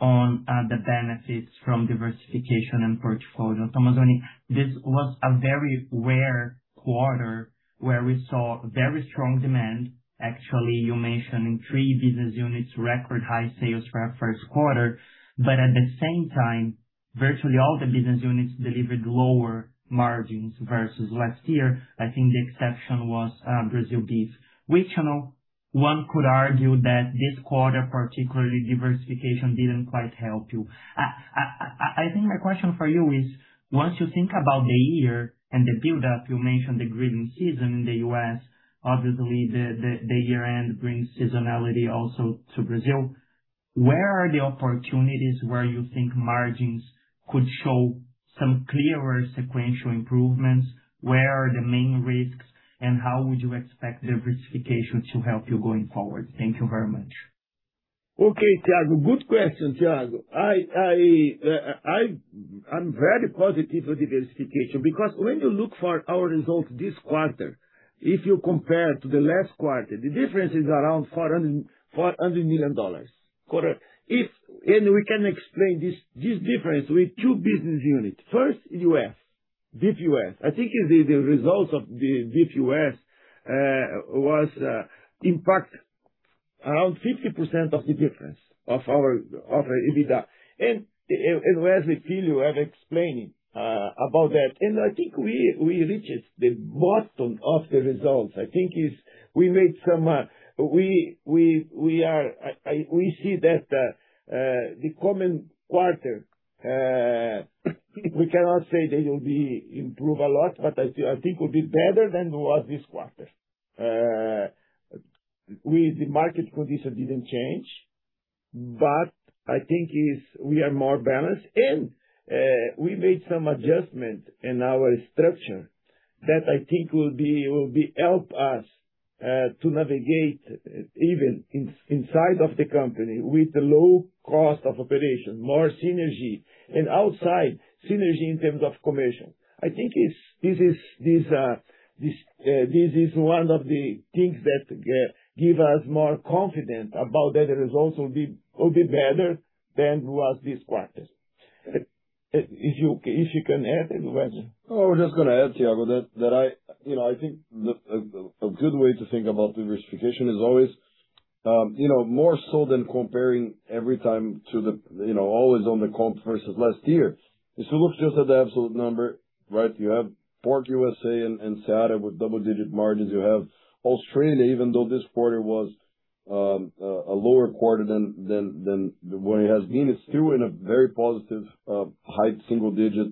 P: on the benefits from diversification and portfolio. Tomazoni, this was a very rare quarter where we saw very strong demand. Actually, you mentioned in three business units record high sales for our first quarter. At the same time, virtually all the business units delivered lower margins versus last year. I think the exception was Brazil beef. Which, you know, one could argue that this quarter particularly diversification didn't quite help you. I think my question for you is, once you think about the year and the buildup, you mentioned the grilling season in the U.S., obviously the year end brings seasonality also to Brazil. Where are the opportunities where you think margins could show some clearer sequential improvements? Where are the main risks, and how would you expect diversification to help you going forward? Thank you very much.
B: Okay, Thiago. Good question, Thiago. I'm very positive for diversification because when you look for our results this quarter, if you compare to the last quarter, the difference is around $400 million-quarter. We can explain this difference with two business units. First, beef U.S. I think the results of the beef U.S. was impact around 50% of the difference of our EBITDA. Wesley Filho have explained about that. I think we reached the bottom of the results. We are, we see that the coming quarter, we cannot say they will be improved a lot, but I think will be better than was this quarter. The market condition didn't change, but I think we are more balanced and we made some adjustment in our structure that I think will help us to navigate even inside of the company with the low cost of operation, more synergy and outside synergy in terms of commission. I think this is one of the things that give us more confidence that the results will be better than was this quarter. If you can add anything, Wesley?
E: No, I was just gonna add, Thiago, that I, you know, I think the a good way to think about diversification is always, you know, more so than comparing every time to the, you know, always on the comp versus last year. If you look just at the absolute number, right, you have Pork USA and Seara with double digit margins. You have Australia, even though this quarter was a lower quarter than what it has been, it's still in a very positive high-single digit.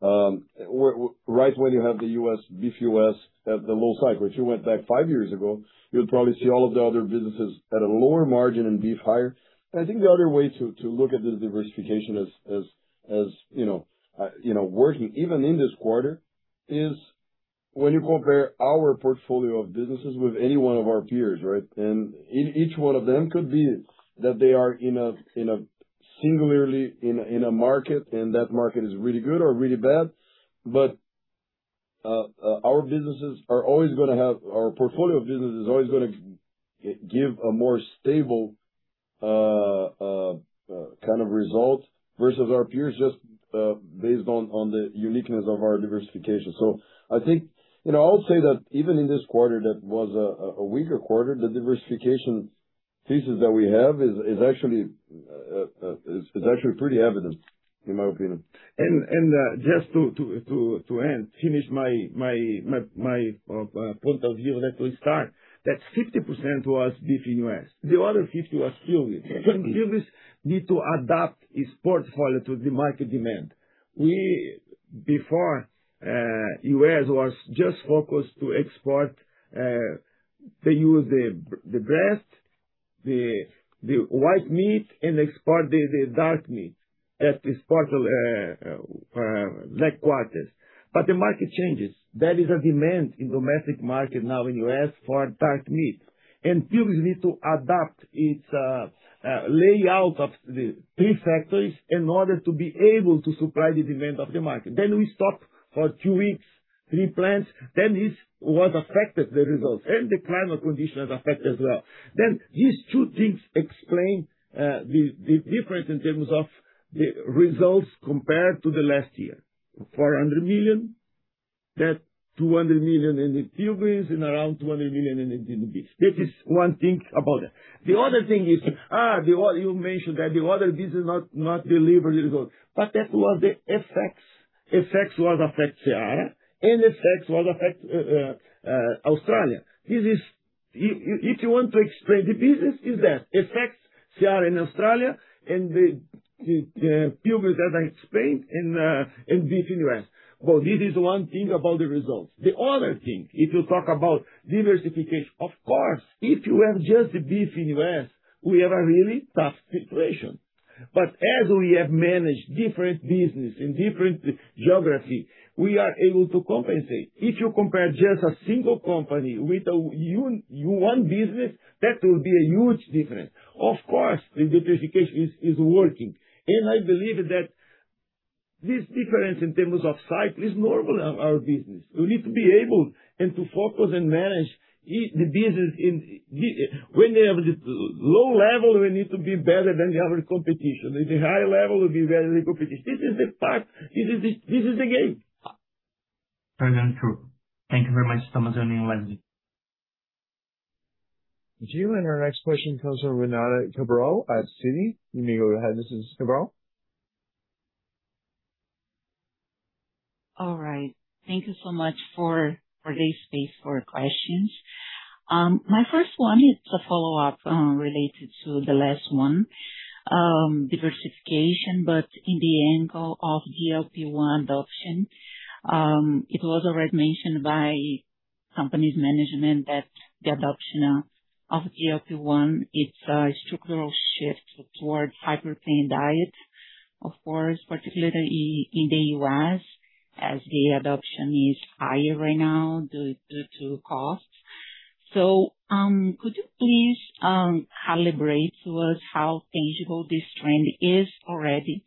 E: Right when you have the beef U.S. at the low cycle. If you went back five years ago, you'll probably see all of the other businesses at a lower margin and beef higher. I think the other way to look at the diversification as, you know, working even in this quarter is when you compare our portfolio of businesses with any one of our peers, right. Each one of them could be that they are in a singularly in a market, and that market is really good or really bad. Our portfolio of businesses is always gonna give a more stable kind of result versus our peers just based on the uniqueness of our diversification. I think, you know, I'll say that even in this quarter that was a weaker quarter, the diversification thesis that we have is actually pretty evident, in my opinion.
B: Just to end, finish my point of view that we start, that 50% was beef in U.S. The other 50 was Pilgrim's. Pilgrim's need to adapt its portfolio to the market demand. We, before, U.S. was just focused to export, they use the breast, the white meat and export the dark meat as this part of leg quarters. The market changes. There is a demand in domestic market now in U.S. for dark meat, and Pilgrim's need to adapt its layout of the three factories in order to be able to supply the demand of the market. We stop for two weeks, three plants, then this was affected the results, and the climate conditions affect as well. These two things explain the difference in terms of the results compared to the last year. $400 million. That $200 million in the pig and around $200 million in the beef. This is one thing about that. The other thing is, you mentioned that the other business not delivered the result, but that was the FX. FX was affect Seara and FX was affect Australia. If you want to explain the business, it is FX, Seara in Australia and the pig that I explained and beef in U.S. This is one thing about the results. The other thing, if you talk about diversification, of course, if you have just the beef in U.S., we have a really tough situation. As we have managed different business in different geography, we are able to compensate. If you compare just a single company with a one business, that will be a huge difference. Of course, the diversification is working, and I believe that this difference in terms of cycle is normal our business. We need to be able and to focus and manage the business. When we have this low level, we need to be better than the other competition. In the high level, we'll be better than the competition. This is the part. This is the game.
P: Very true. Thank you very much, Tomazoni and Wesley.
A: Thank you. Our next question comes from Renata Cabral at Citi. You may go ahead, Mrs. Cabral.
Q: All right. Thank you so much for this space for questions. My first one is a follow-up, related to the last one, diversification, but in the angle of GLP-1 adoption. It was already mentioned by company's management that the adoption of GLP-1 is a structural shift towards hyper-lean diet, of course, particularly in the U.S. as the adoption is higher right now due to costs. Could you please calibrate to us how tangible this trend is already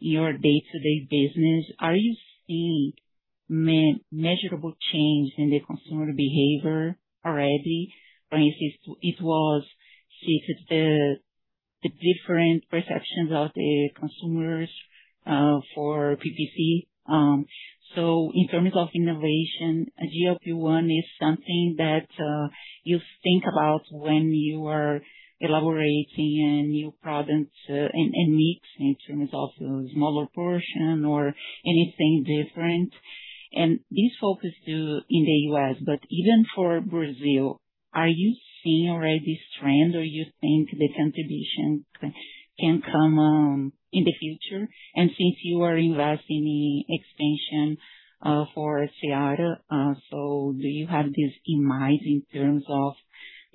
Q: in your day-to-day business? Are you seeing measurable change in the consumer behavior already? For instance, it was shifted the different perceptions of the consumers for PPC. In terms of innovation, GLP-1 is something that you think about when you are elaborating a new product, and mix in terms of smaller portion or anything different. This focus to in the U.S., but even for Brazil, are you seeing already this trend or you think the contribution can come in the future? Since you are investing in expansion for Seara, do you have this in mind in terms of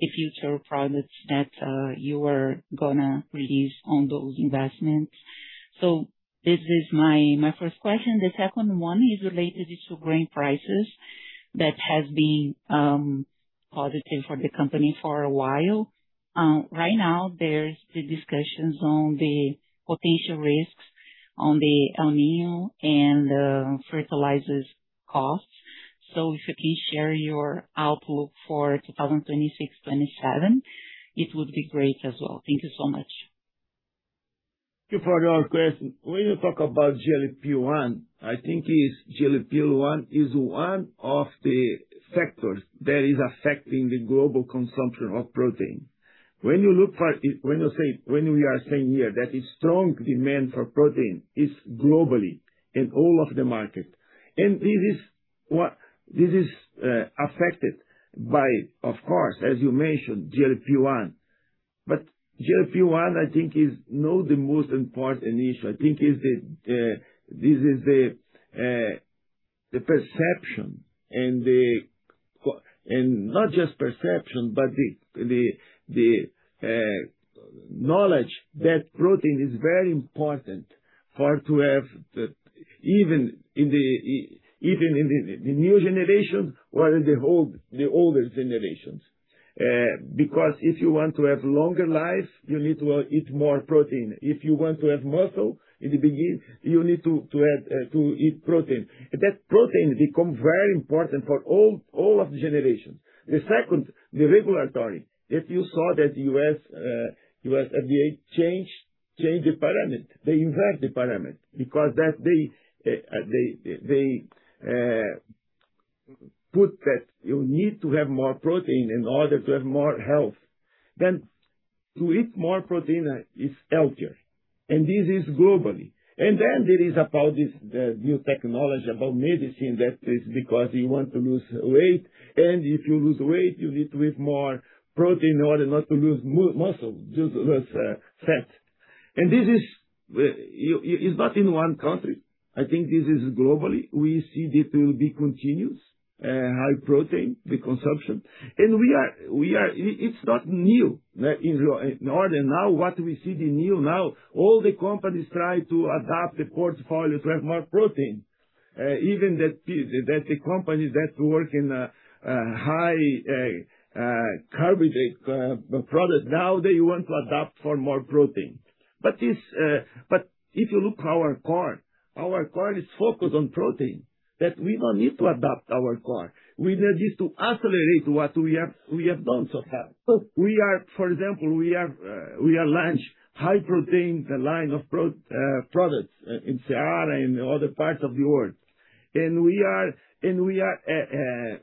Q: the future products that you are gonna release on those investments? This is my first question. The second one is related to grain prices that has been positive for the company for a while. Right now there's the discussions on the potential risks on the meal and fertilizers costs. If you can share your outlook for 2026, 2027, it would be great as well. Thank you so much.
B: Thank you for your question. When you talk about GLP-1, I think GLP-1 is one of the factors that is affecting the global consumption of protein. When we are saying here that a strong demand for protein is globally in all of the market, this is affected by, of course, as you mentioned, GLP-1. GLP-1 I think is not the most important issue. I think is the, this is the perception and not just perception, but the knowledge that protein is very important for to have the. Even in the new generations or in the older generations. If you want to have longer life, you need to eat more protein. If you want to have muscle in the beginning, you need to have to eat protein. That protein become very important for all of the generations. The second, the regulatory. If you saw that U.S. FDA change the parameter, they invert the parameter because that they put that you need to have more protein in order to have more health than to eat more protein is healthier. This is globally. There is about this new technology about medicine that is because you want to lose weight, and if you lose weight, you need to eat more protein in order not to lose muscle, just lose fat. This is not in one country. I think this is globally. We see this will be continuous high protein, the consumption. It's not new that in order. Now what we see the new now, all the companies try to adapt the portfolio to have more protein. Even that the companies that work in high carbohydrate product, now they want to adapt for more protein. This, but if you look our core, our core is focused on protein, that we don't need to adapt our core. We need this to accelerate what we have done so far. For example, we have launched high protein line of products in Seara, in other parts of the world. We are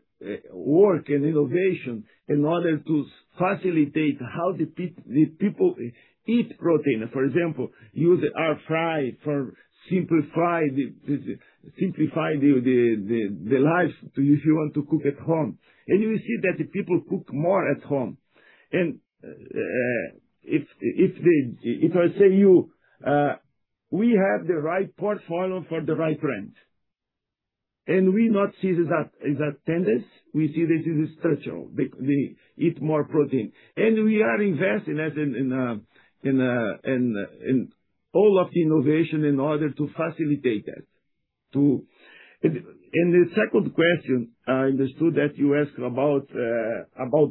B: work in innovation in order to facilitate how the people eat protein. For example, use air fryer for simplify the life if you want to cook at home. You will see that people cook more at home. If they if I say you, we have the right portfolio for the right brand, and we not see that tendance, we see that in the structural, they eat more protein. We are investing that in all of the innovation in order to facilitate that. The second question, I understood that you asked about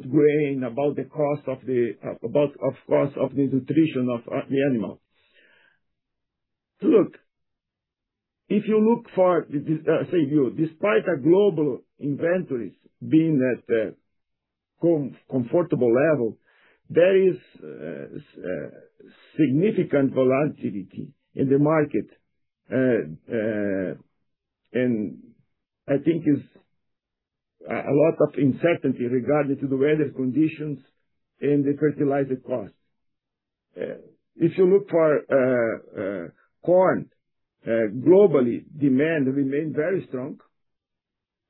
B: grain, about the cost of course, of the nutrition of the animal. Look, if you look for this, I say you, despite the global inventories being at a comfortable level, there is significant volatility in the market. I think is a lot of uncertainty regarding to the weather conditions and the fertilizer costs. If you look for, corn, globally, demand remain very strong.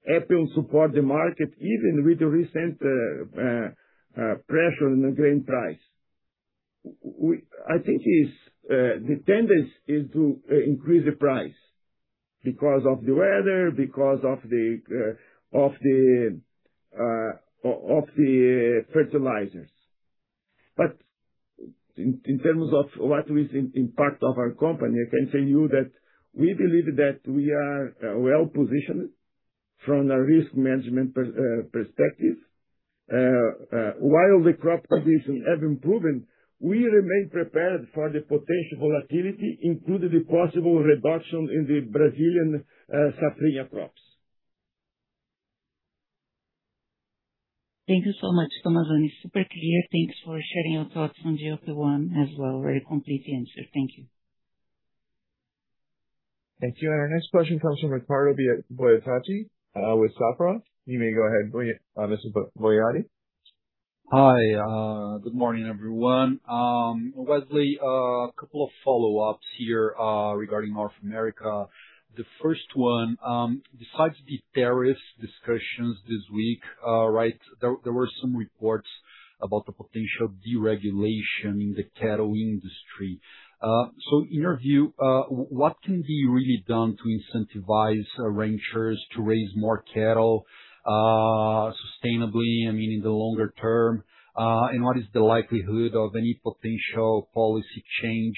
B: It will support the market even with the recent, pressure in the grain price. I think is, the tendancy is to, increase the price because of the weather, because of the fertilizers. But in terms of what is part of our company, I can say you that we believe that we are well-positioned from a risk management perspective. While the crop conditions have improved, we remain prepared for the potential volatility, including the possible reduction in the Brazilian safrinha crops.
Q: Thank you so much, Tomazoni. It's super clear. Thanks for sharing your thoughts on GLP-1 as well. Very complete answer. Thank you.
A: Thank you. Our next question comes from Ricardo Boiati, with Safra. You may go ahead, Mr. Boiati.
R: Hi. Good morning, everyone. Wesley, a couple of follow-ups here regarding North America. The first one, besides the tariffs discussions this week, right, there were some reports about the potential deregulation in the cattle industry. In your view, what can be really done to incentivize ranchers to raise more cattle sustainably, I mean, in the longer term? And what is the likelihood of any potential policy change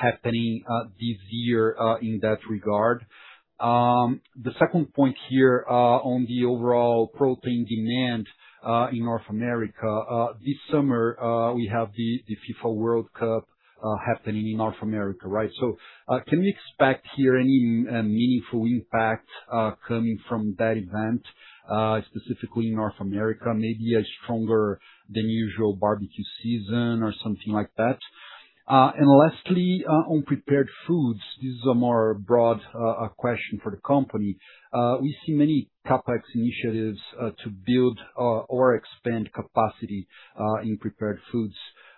R: happening this year in that regard? The second point here on the overall protein demand in North America. This summer, we have the FIFA World Cup happening in North America, right? Can we expect here any meaningful impact coming from that event specifically in North America, maybe a stronger than usual barbecue season or something like that? Lastly, on prepared foods, this is a more broad question for the company. We see many CapEx initiatives to build or expand capacity in prepared foods.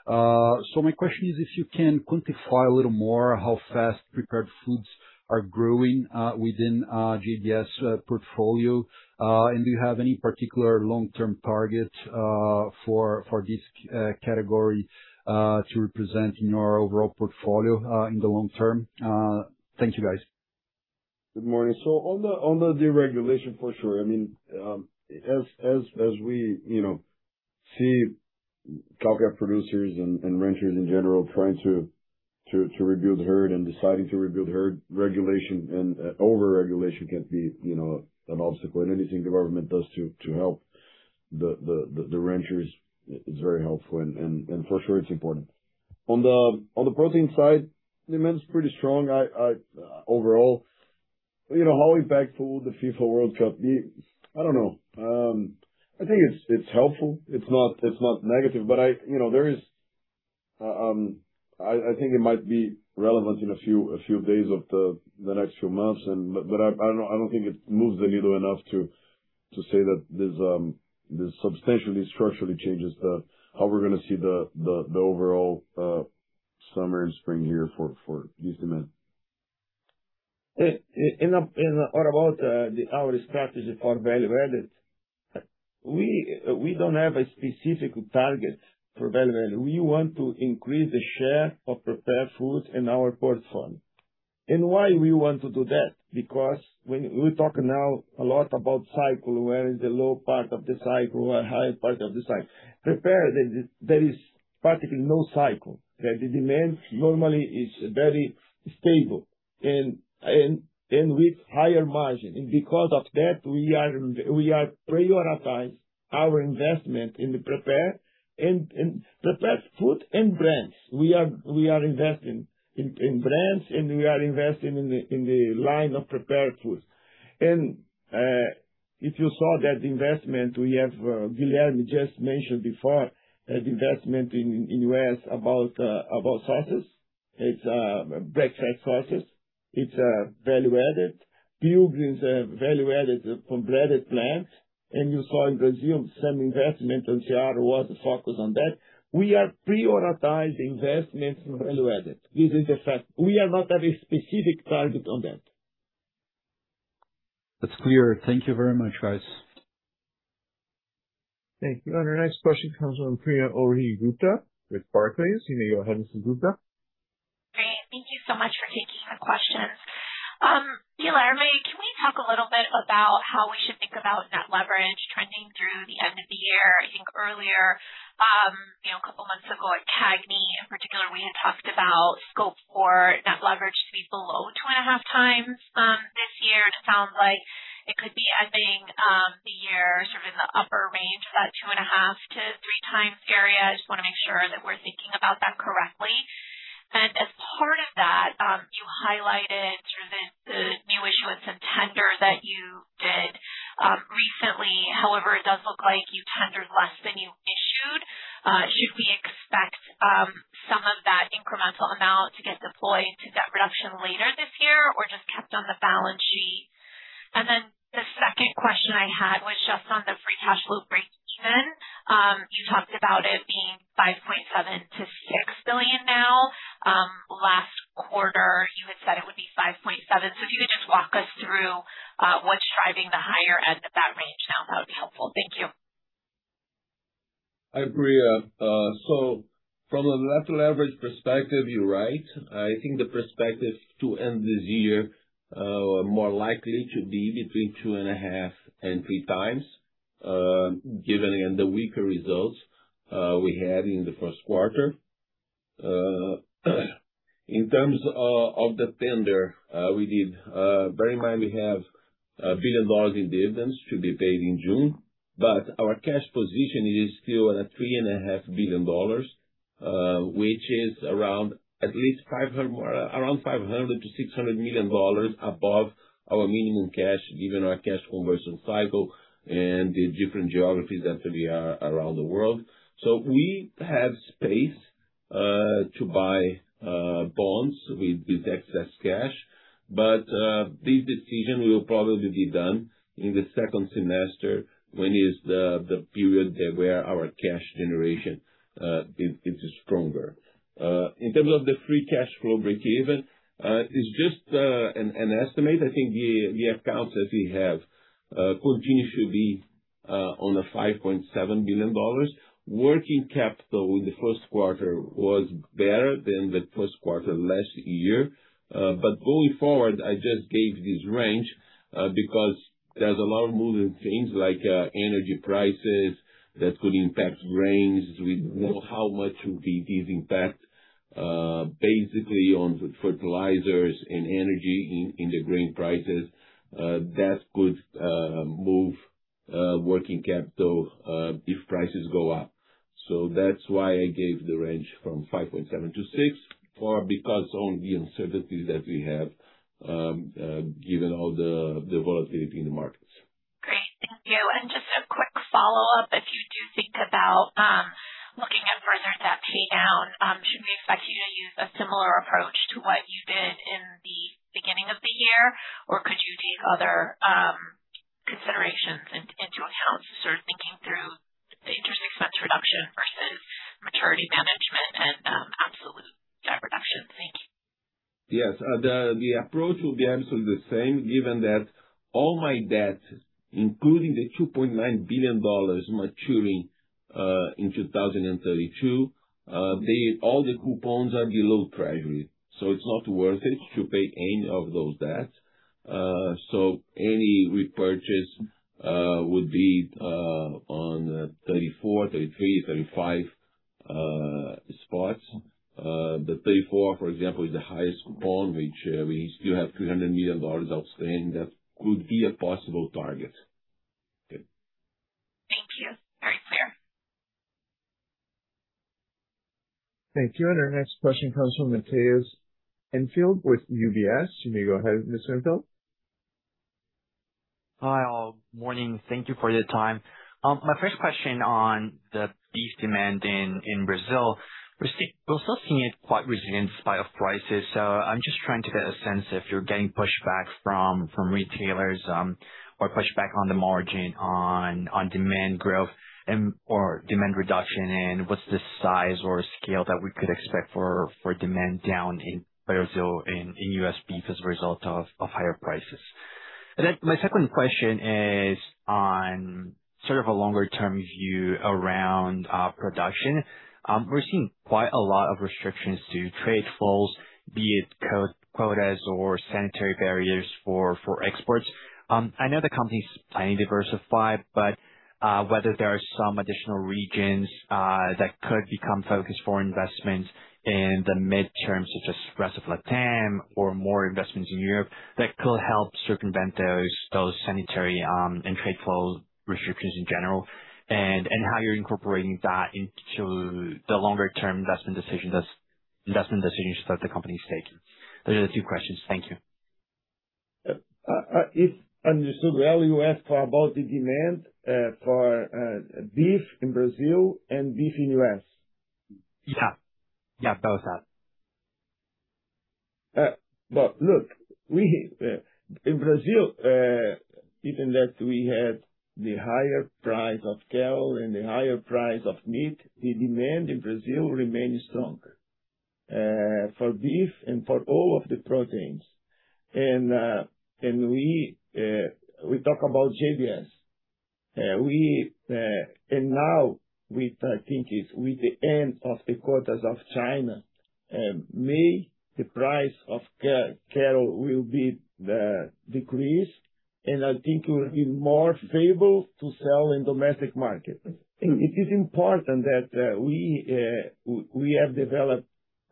R: My question is if you can quantify a little more how fast prepared foods are growing within JBS portfolio. Do you have any particular long-term target for this category to represent in our overall portfolio in the long term? Thank you, guys.
E: Good morning. On the deregulation for sure, I mean, as we, you know, see cow-calf producers and ranchers in general trying to rebuild herd and deciding to rebuild herd, regulation and overregulation can be, you know, an obstacle. Anything the government does to help the ranchers is very helpful and for sure it's important. On the protein side, demand is pretty strong overall. You know, how we backfill the FIFA World Cup, I don't know. I think it's helpful. It's not negative. I, you know, there is, I think it might be relevant in a few days of the next few months. But I don't think it moves the needle enough to say that there's substantially structurally changes the how we're gonna see the overall summer and spring here for this demand.
B: What about our strategy for value added? We don't have a specific target for value added. We want to increase the share of prepared foods in our portfolio. Why we want to do that? Because when we talk now a lot about cycle, where is the low part of the cycle or high part of the cycle. Prepared, there is practically no cycle. The demand normally is very stable and with higher margin. Because of that, we are prioritize our investment in the prepare and prepared food and brands. We are investing in brands, and we are investing in the line of prepared foods. If you saw that investment we have, Guilherme just mentioned before, the investment in U.S. about sausages. It's breakfast sausage. It's value-added. Pilgrim's are value-added from breaded plant. You saw in Brazil some investment on case ready was focused on that. We are prioritizing investments in value-added. This is the fact. We are not at a specific target on that.
R: That's clear. Thank you very much, guys.
A: Thank you. Our next question comes from Priya Ohri-Gupta with Barclays. You may go ahead, Ms. Gupta.
S: Great. Thank you so much for taking the questions. Guilherme, can we talk a little bit about how we should think about net leverage trending through the end of the year? I think earlier, you know, a couple months ago at CAGNY in particular, we had talked about scope for net leverage to be below 2.5x this year. It sounds like it could be ending the year sort of in the upper range of that 2.5x-3x area. I just wanna make sure that we're thinking about that correctly. Then as part of that, you highlighted through the new issuance and tender that you did recently. However, it does look like you tendered less than you issued. Should we expect, some of that incremental amount to get deployed to debt reduction later this year or just kept on the balance sheet? The second question I had was just on the free cash flow breakeven. You talked about it being $5.7 billion-$6 billion now. Last quarter you had said it would be $5.7 billion. If you could just walk us through, what's driving the higher end of that range now, that would be helpful? Thank you.
C: Hi, Priya. From a net leverage perspective, you're right. I think the perspective to end this year are more likely to be between 2.5x and 3x, given in the weaker results we had in the first quarter. In terms of the tender we did, bear in mind we have $1 billion in dividends to be paid in June, but our cash position is still at $3.5 billion, which is around $500 million-$600 million above our minimum cash, given our cash conversion cycle and the different geographies that we are around the world. We have space to buy bonds with this excess cash. This decision will probably be done in the second semester when is the period where our cash generation is stronger. In terms of the free cash flow breakeven, it's just an estimate. I think the accounts that we have counting should be on $5.7 billion. Working capital in the first quarter was better than the first quarter last year. Going forward, I just gave this range because there's a lot of moving things like energy prices that could impact grains. We don't know how much will be this impact basically on the fertilizers and energy in the grain prices. That could move working capital if prices go up. That's why I gave the range from $5.7 billion-$6 billion because all the uncertainties that we have, given all the volatility in the markets.
S: Great. Thank you. Just a quick follow-up. If you do think about, looking at further debt pay down, should we expect you to use a similar approach to what you did in the beginning of the year? Could you take other considerations into account, sort of thinking through the interest expense reduction versus maturity management and absolute debt reduction? Thank you.
C: Yes. The approach will be absolutely the same, given that all my debt, including the $2.9 billion maturing, in 2032, all the coupons are below Treasury, so it's not worth it to pay any of those debts. Any repurchase would be on 34, 33, 35 spots. The 34, for example, is the highest coupon, which we still have $300 million outstanding. That could be a possible target.
S: Thank you. Very clear.
A: Thank you. Our next question comes from Matheus Enfeldt with UBS. You may go ahead, Mr. Enfeldt.
T: Hi, all. Morning. Thank you for your time. My first question on the beef demand in Brazil. We're still seeing it quite resilient in spite of prices. I'm just trying to get a sense if you're getting pushback from retailers, or pushback on the margin on demand growth and or demand reduction, and what's the size or scale that we could expect for demand down in Brazil, in U.S. beef as a result of higher prices? My second question is on sort of a longer term view around production. We're seeing quite a lot of restrictions to trade flows, be it quotas or sanitary barriers for exports. I know the company's planning to diversify, whether there are some additional regions that could become focused for investments in the midterm, such as rest of Latam or more investments in Europe that could help circumvent those sanitary and trade flow restrictions in general, and how you're incorporating that into the longer term investment decisions that the company is taking? Those are the two questions. Thank you.
B: If understood well, you ask for about the demand for beef in Brazil and beef in U.S.
T: Yeah. That was that.
B: But look, we in Brazil, given that we have the higher price of cattle and the higher price of meat, the demand in Brazil remains strong for beef and for all of the proteins. We talk about JBS. We now with, I think, is with the end of the quotas of China, may the price of cattle will be decreased, and I think it will be more favorable to sell in domestic markets. It is important that we have developed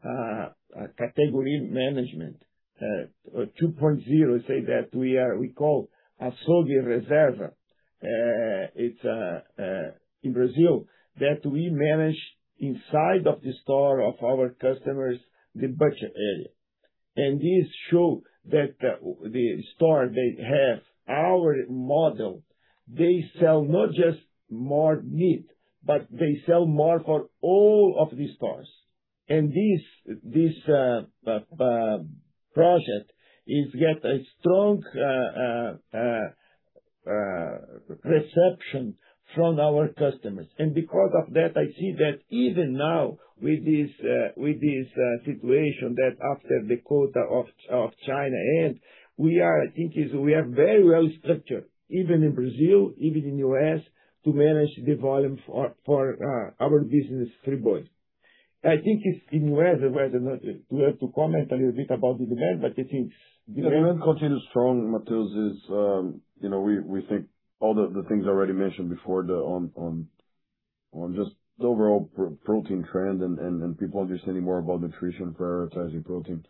B: a category management 2.0, say that we call Açougue Reserva. It's in Brazil that we manage inside of the store of our customers, the budget area. This show that the store they have our model, they sell not just more meat, but they sell more for all of the stores. This project is yet a strong perception from our customers. Because of that, I see that even now with this situation that after the quota of China end, we are, I think is we are very well structured, even in Brazil, even in U.S., to manage the volume for our business Friboi. I think it's in U.S. where the not You have to comment a little bit about the demand.
E: The demand continues strong, Matheus, we think all the things already mentioned before on just the overall pro-protein trend and people understanding more about nutrition, prioritizing protein.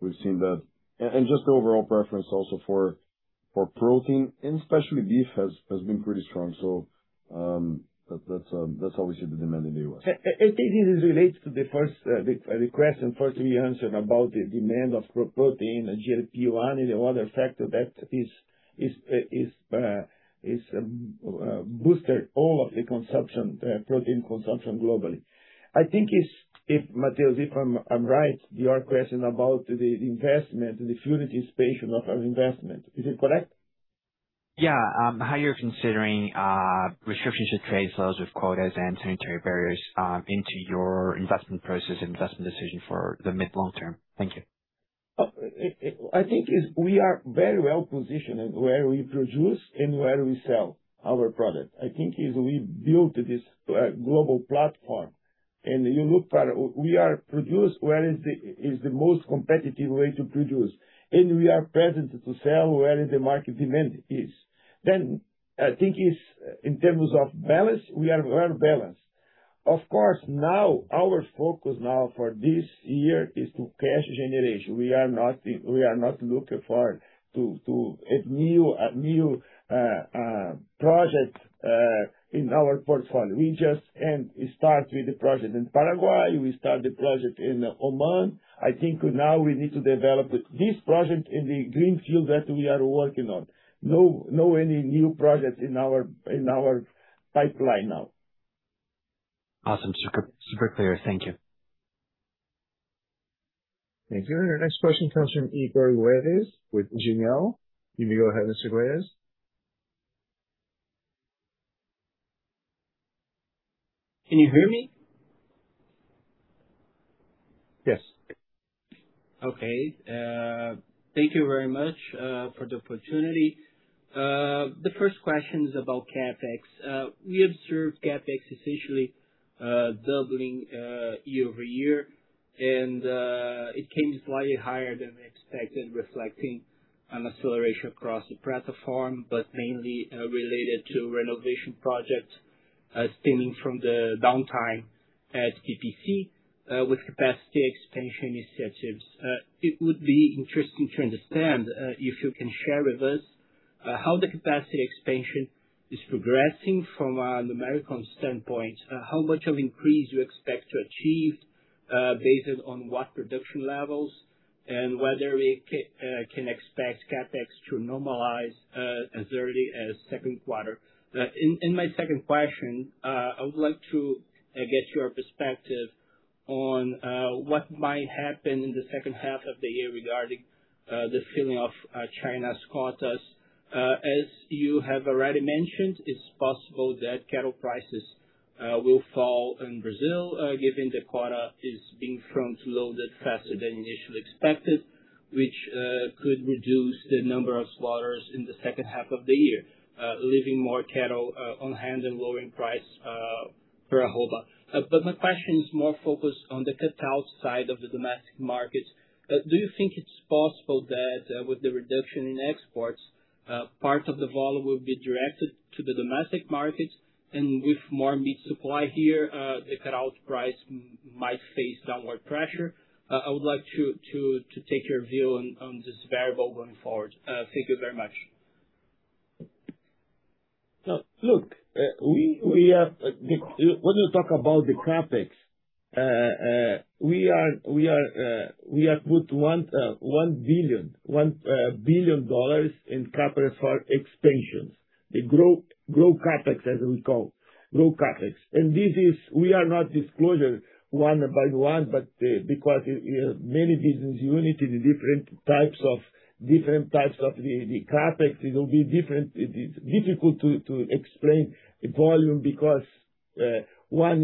E: We've seen that. And just the overall preference also for protein and especially beef has been pretty strong. That's how we see the demand in the U.S.
B: I think this is related to the first, the question first we answered about the demand of pro-protein, GLP-1 and other factor that is boosted all of the consumption, protein consumption globally. I think it's, if Matheus, if I'm right, your question about the investment and the future participation of our investment. Is it correct?
T: Yeah. How you're considering restrictions to trade flows with quotas and sanitary barriers into your investment process and investment decision for the mid-, long-term? Thank you.
B: I think is we are very well positioned where we produce and where we sell our product. I think is we built this global platform, and you look for, we are produced where is the most competitive way to produce, and we are present to sell where the market demand is. I think is in terms of balance, we are well balanced. Of course, now our focus now for this year is to cash generation. We are not looking for to a new project in our portfolio. We just start with the project in Paraguay. We start the project in Oman. I think now we need to develop this project in the greenfield that we are working on. No any new projects in our pipeline now.
T: Awesome. Super clear. Thank you.
A: Thank you. Our next question comes from Igor Guedes with Genial Investimentos. You can go ahead, Mr. Guedes.
U: Can you hear me?
A: Yes.
U: Okay. Thank you very much for the opportunity. The first question is about CapEx. We observed CapEx essentially doubling year-over-year, and it came slightly higher than expected, reflecting an acceleration across the platform, but mainly related to renovation projects stemming from the downtime at PPC, with capacity expansion initiatives. It would be interesting to understand if you can share with us how the capacity expansion is progressing from a numerical standpoint, how much of increase you expect to achieve, based on what production levels and whether we can expect CapEx to normalize as early as second quarter? My second question, I would like to get your perspective on what might happen in the second half of the year regarding the filling of China's quotas. As you have already mentioned, it's possible that cattle prices will fall in Brazil, given the quota is being front loaded faster than initially expected, which could reduce the number of slaughters in the second half of the year, leaving more cattle on hand and lowering price per arroba. My question is more focused on the cattle side of the domestic market. Do you think it's possible that with the reduction in exports, part of the volume will be directed to the domestic market and with more meat supply here, the cattle price might face downward pressure? I would like to take your view on this variable going forward. Thank you very much.
B: When you talk about the CapEx, we are put $1 billion in CapEx for expansions. The grow CapEx, as we call, grow CapEx. We are not disclosure one-by-one, because many business unit in different types of the CapEx, it will be different. It is difficult to explain volume because one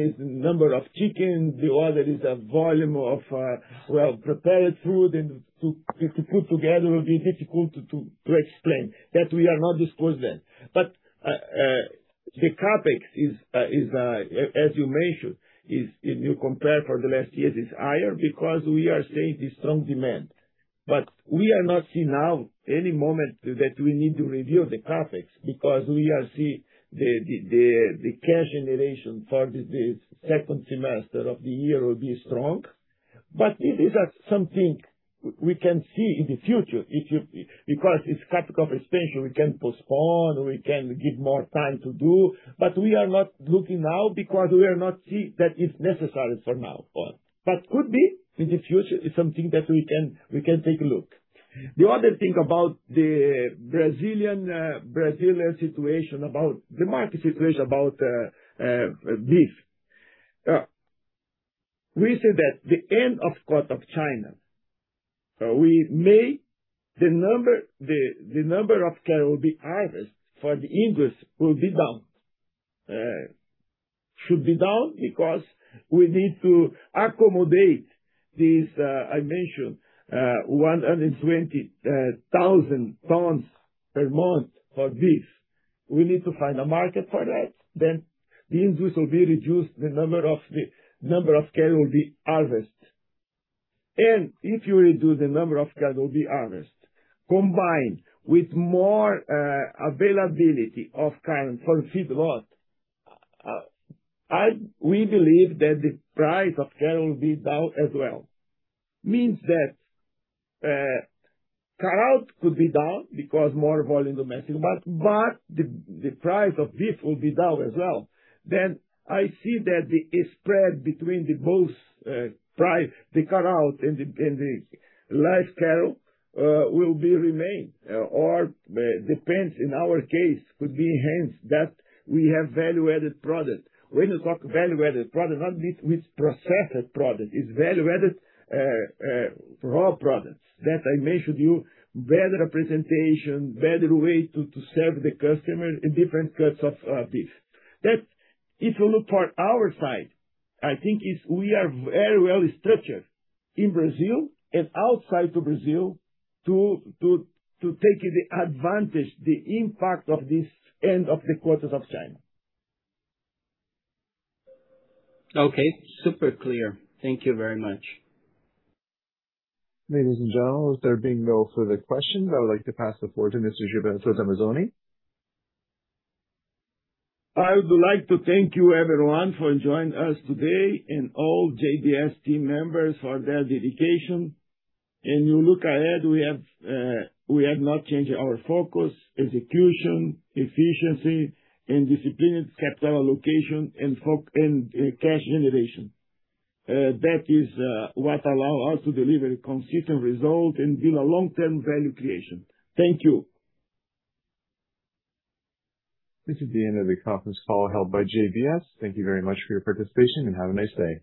B: is number of chicken, the other is a volume of well-prepared food and to put together will be difficult to explain. That we are not disclosing. The CapEx is, as you mentioned, if you compare for the last years is higher because we are seeing the strong demand. We are not seeing now any moment that we need to review the CapEx because we are see the cash generation for the second semester of the year will be strong. It is something we can see in the future because it's capital expenditure, we can postpone or we can give more time to do. We are not looking now because we are not see that it's necessary for now on. Could be in the future is something that we can take a look. The other thing about the Brazilian situation, about the market situation about beef. We said that the end of quota of China, the number of cattle will be harvest for the industry will be down. Should be down because we need to accommodate these 120,000 tons per month for beef. We need to find a market for that. The industry will be reduced the number of cattle will be harvest. If you reduce the number of cattle will be harvest, combined with more availability of cattle for feedlot, we believe that the price of cattle will be down as well. Means that cutout could be down because more volume domestic, the price of beef will be down as well. I see that the spread between the both price, the cutout and the live cattle, will be remain. Depends in our case could be enhanced that we have value-added product. When you talk value-added product, not with processed product, it's value-added raw products. That I mentioned you better representation, better way to serve the customer in different cuts of beef. That if you look for our side, I think is we are very well structured in Brazil and outside to Brazil to take the advantage, the impact of this end of the quotas of China.
U: Okay. Super clear. Thank you very much.
A: Ladies and gentlemen, there being no further questions, I would like to pass the floor to Mr. Gilberto Tomazoni.
B: I would like to thank you everyone for joining us today and all JBS team members for their dedication. You look ahead, we have not changed our focus, execution, efficiency and disciplined capital allocation and cash generation. That is what allow us to deliver consistent result and build a long-term value creation. Thank you.
A: This is the end of the conference call held by JBS. Thank you very much for your participation, and have a nice day.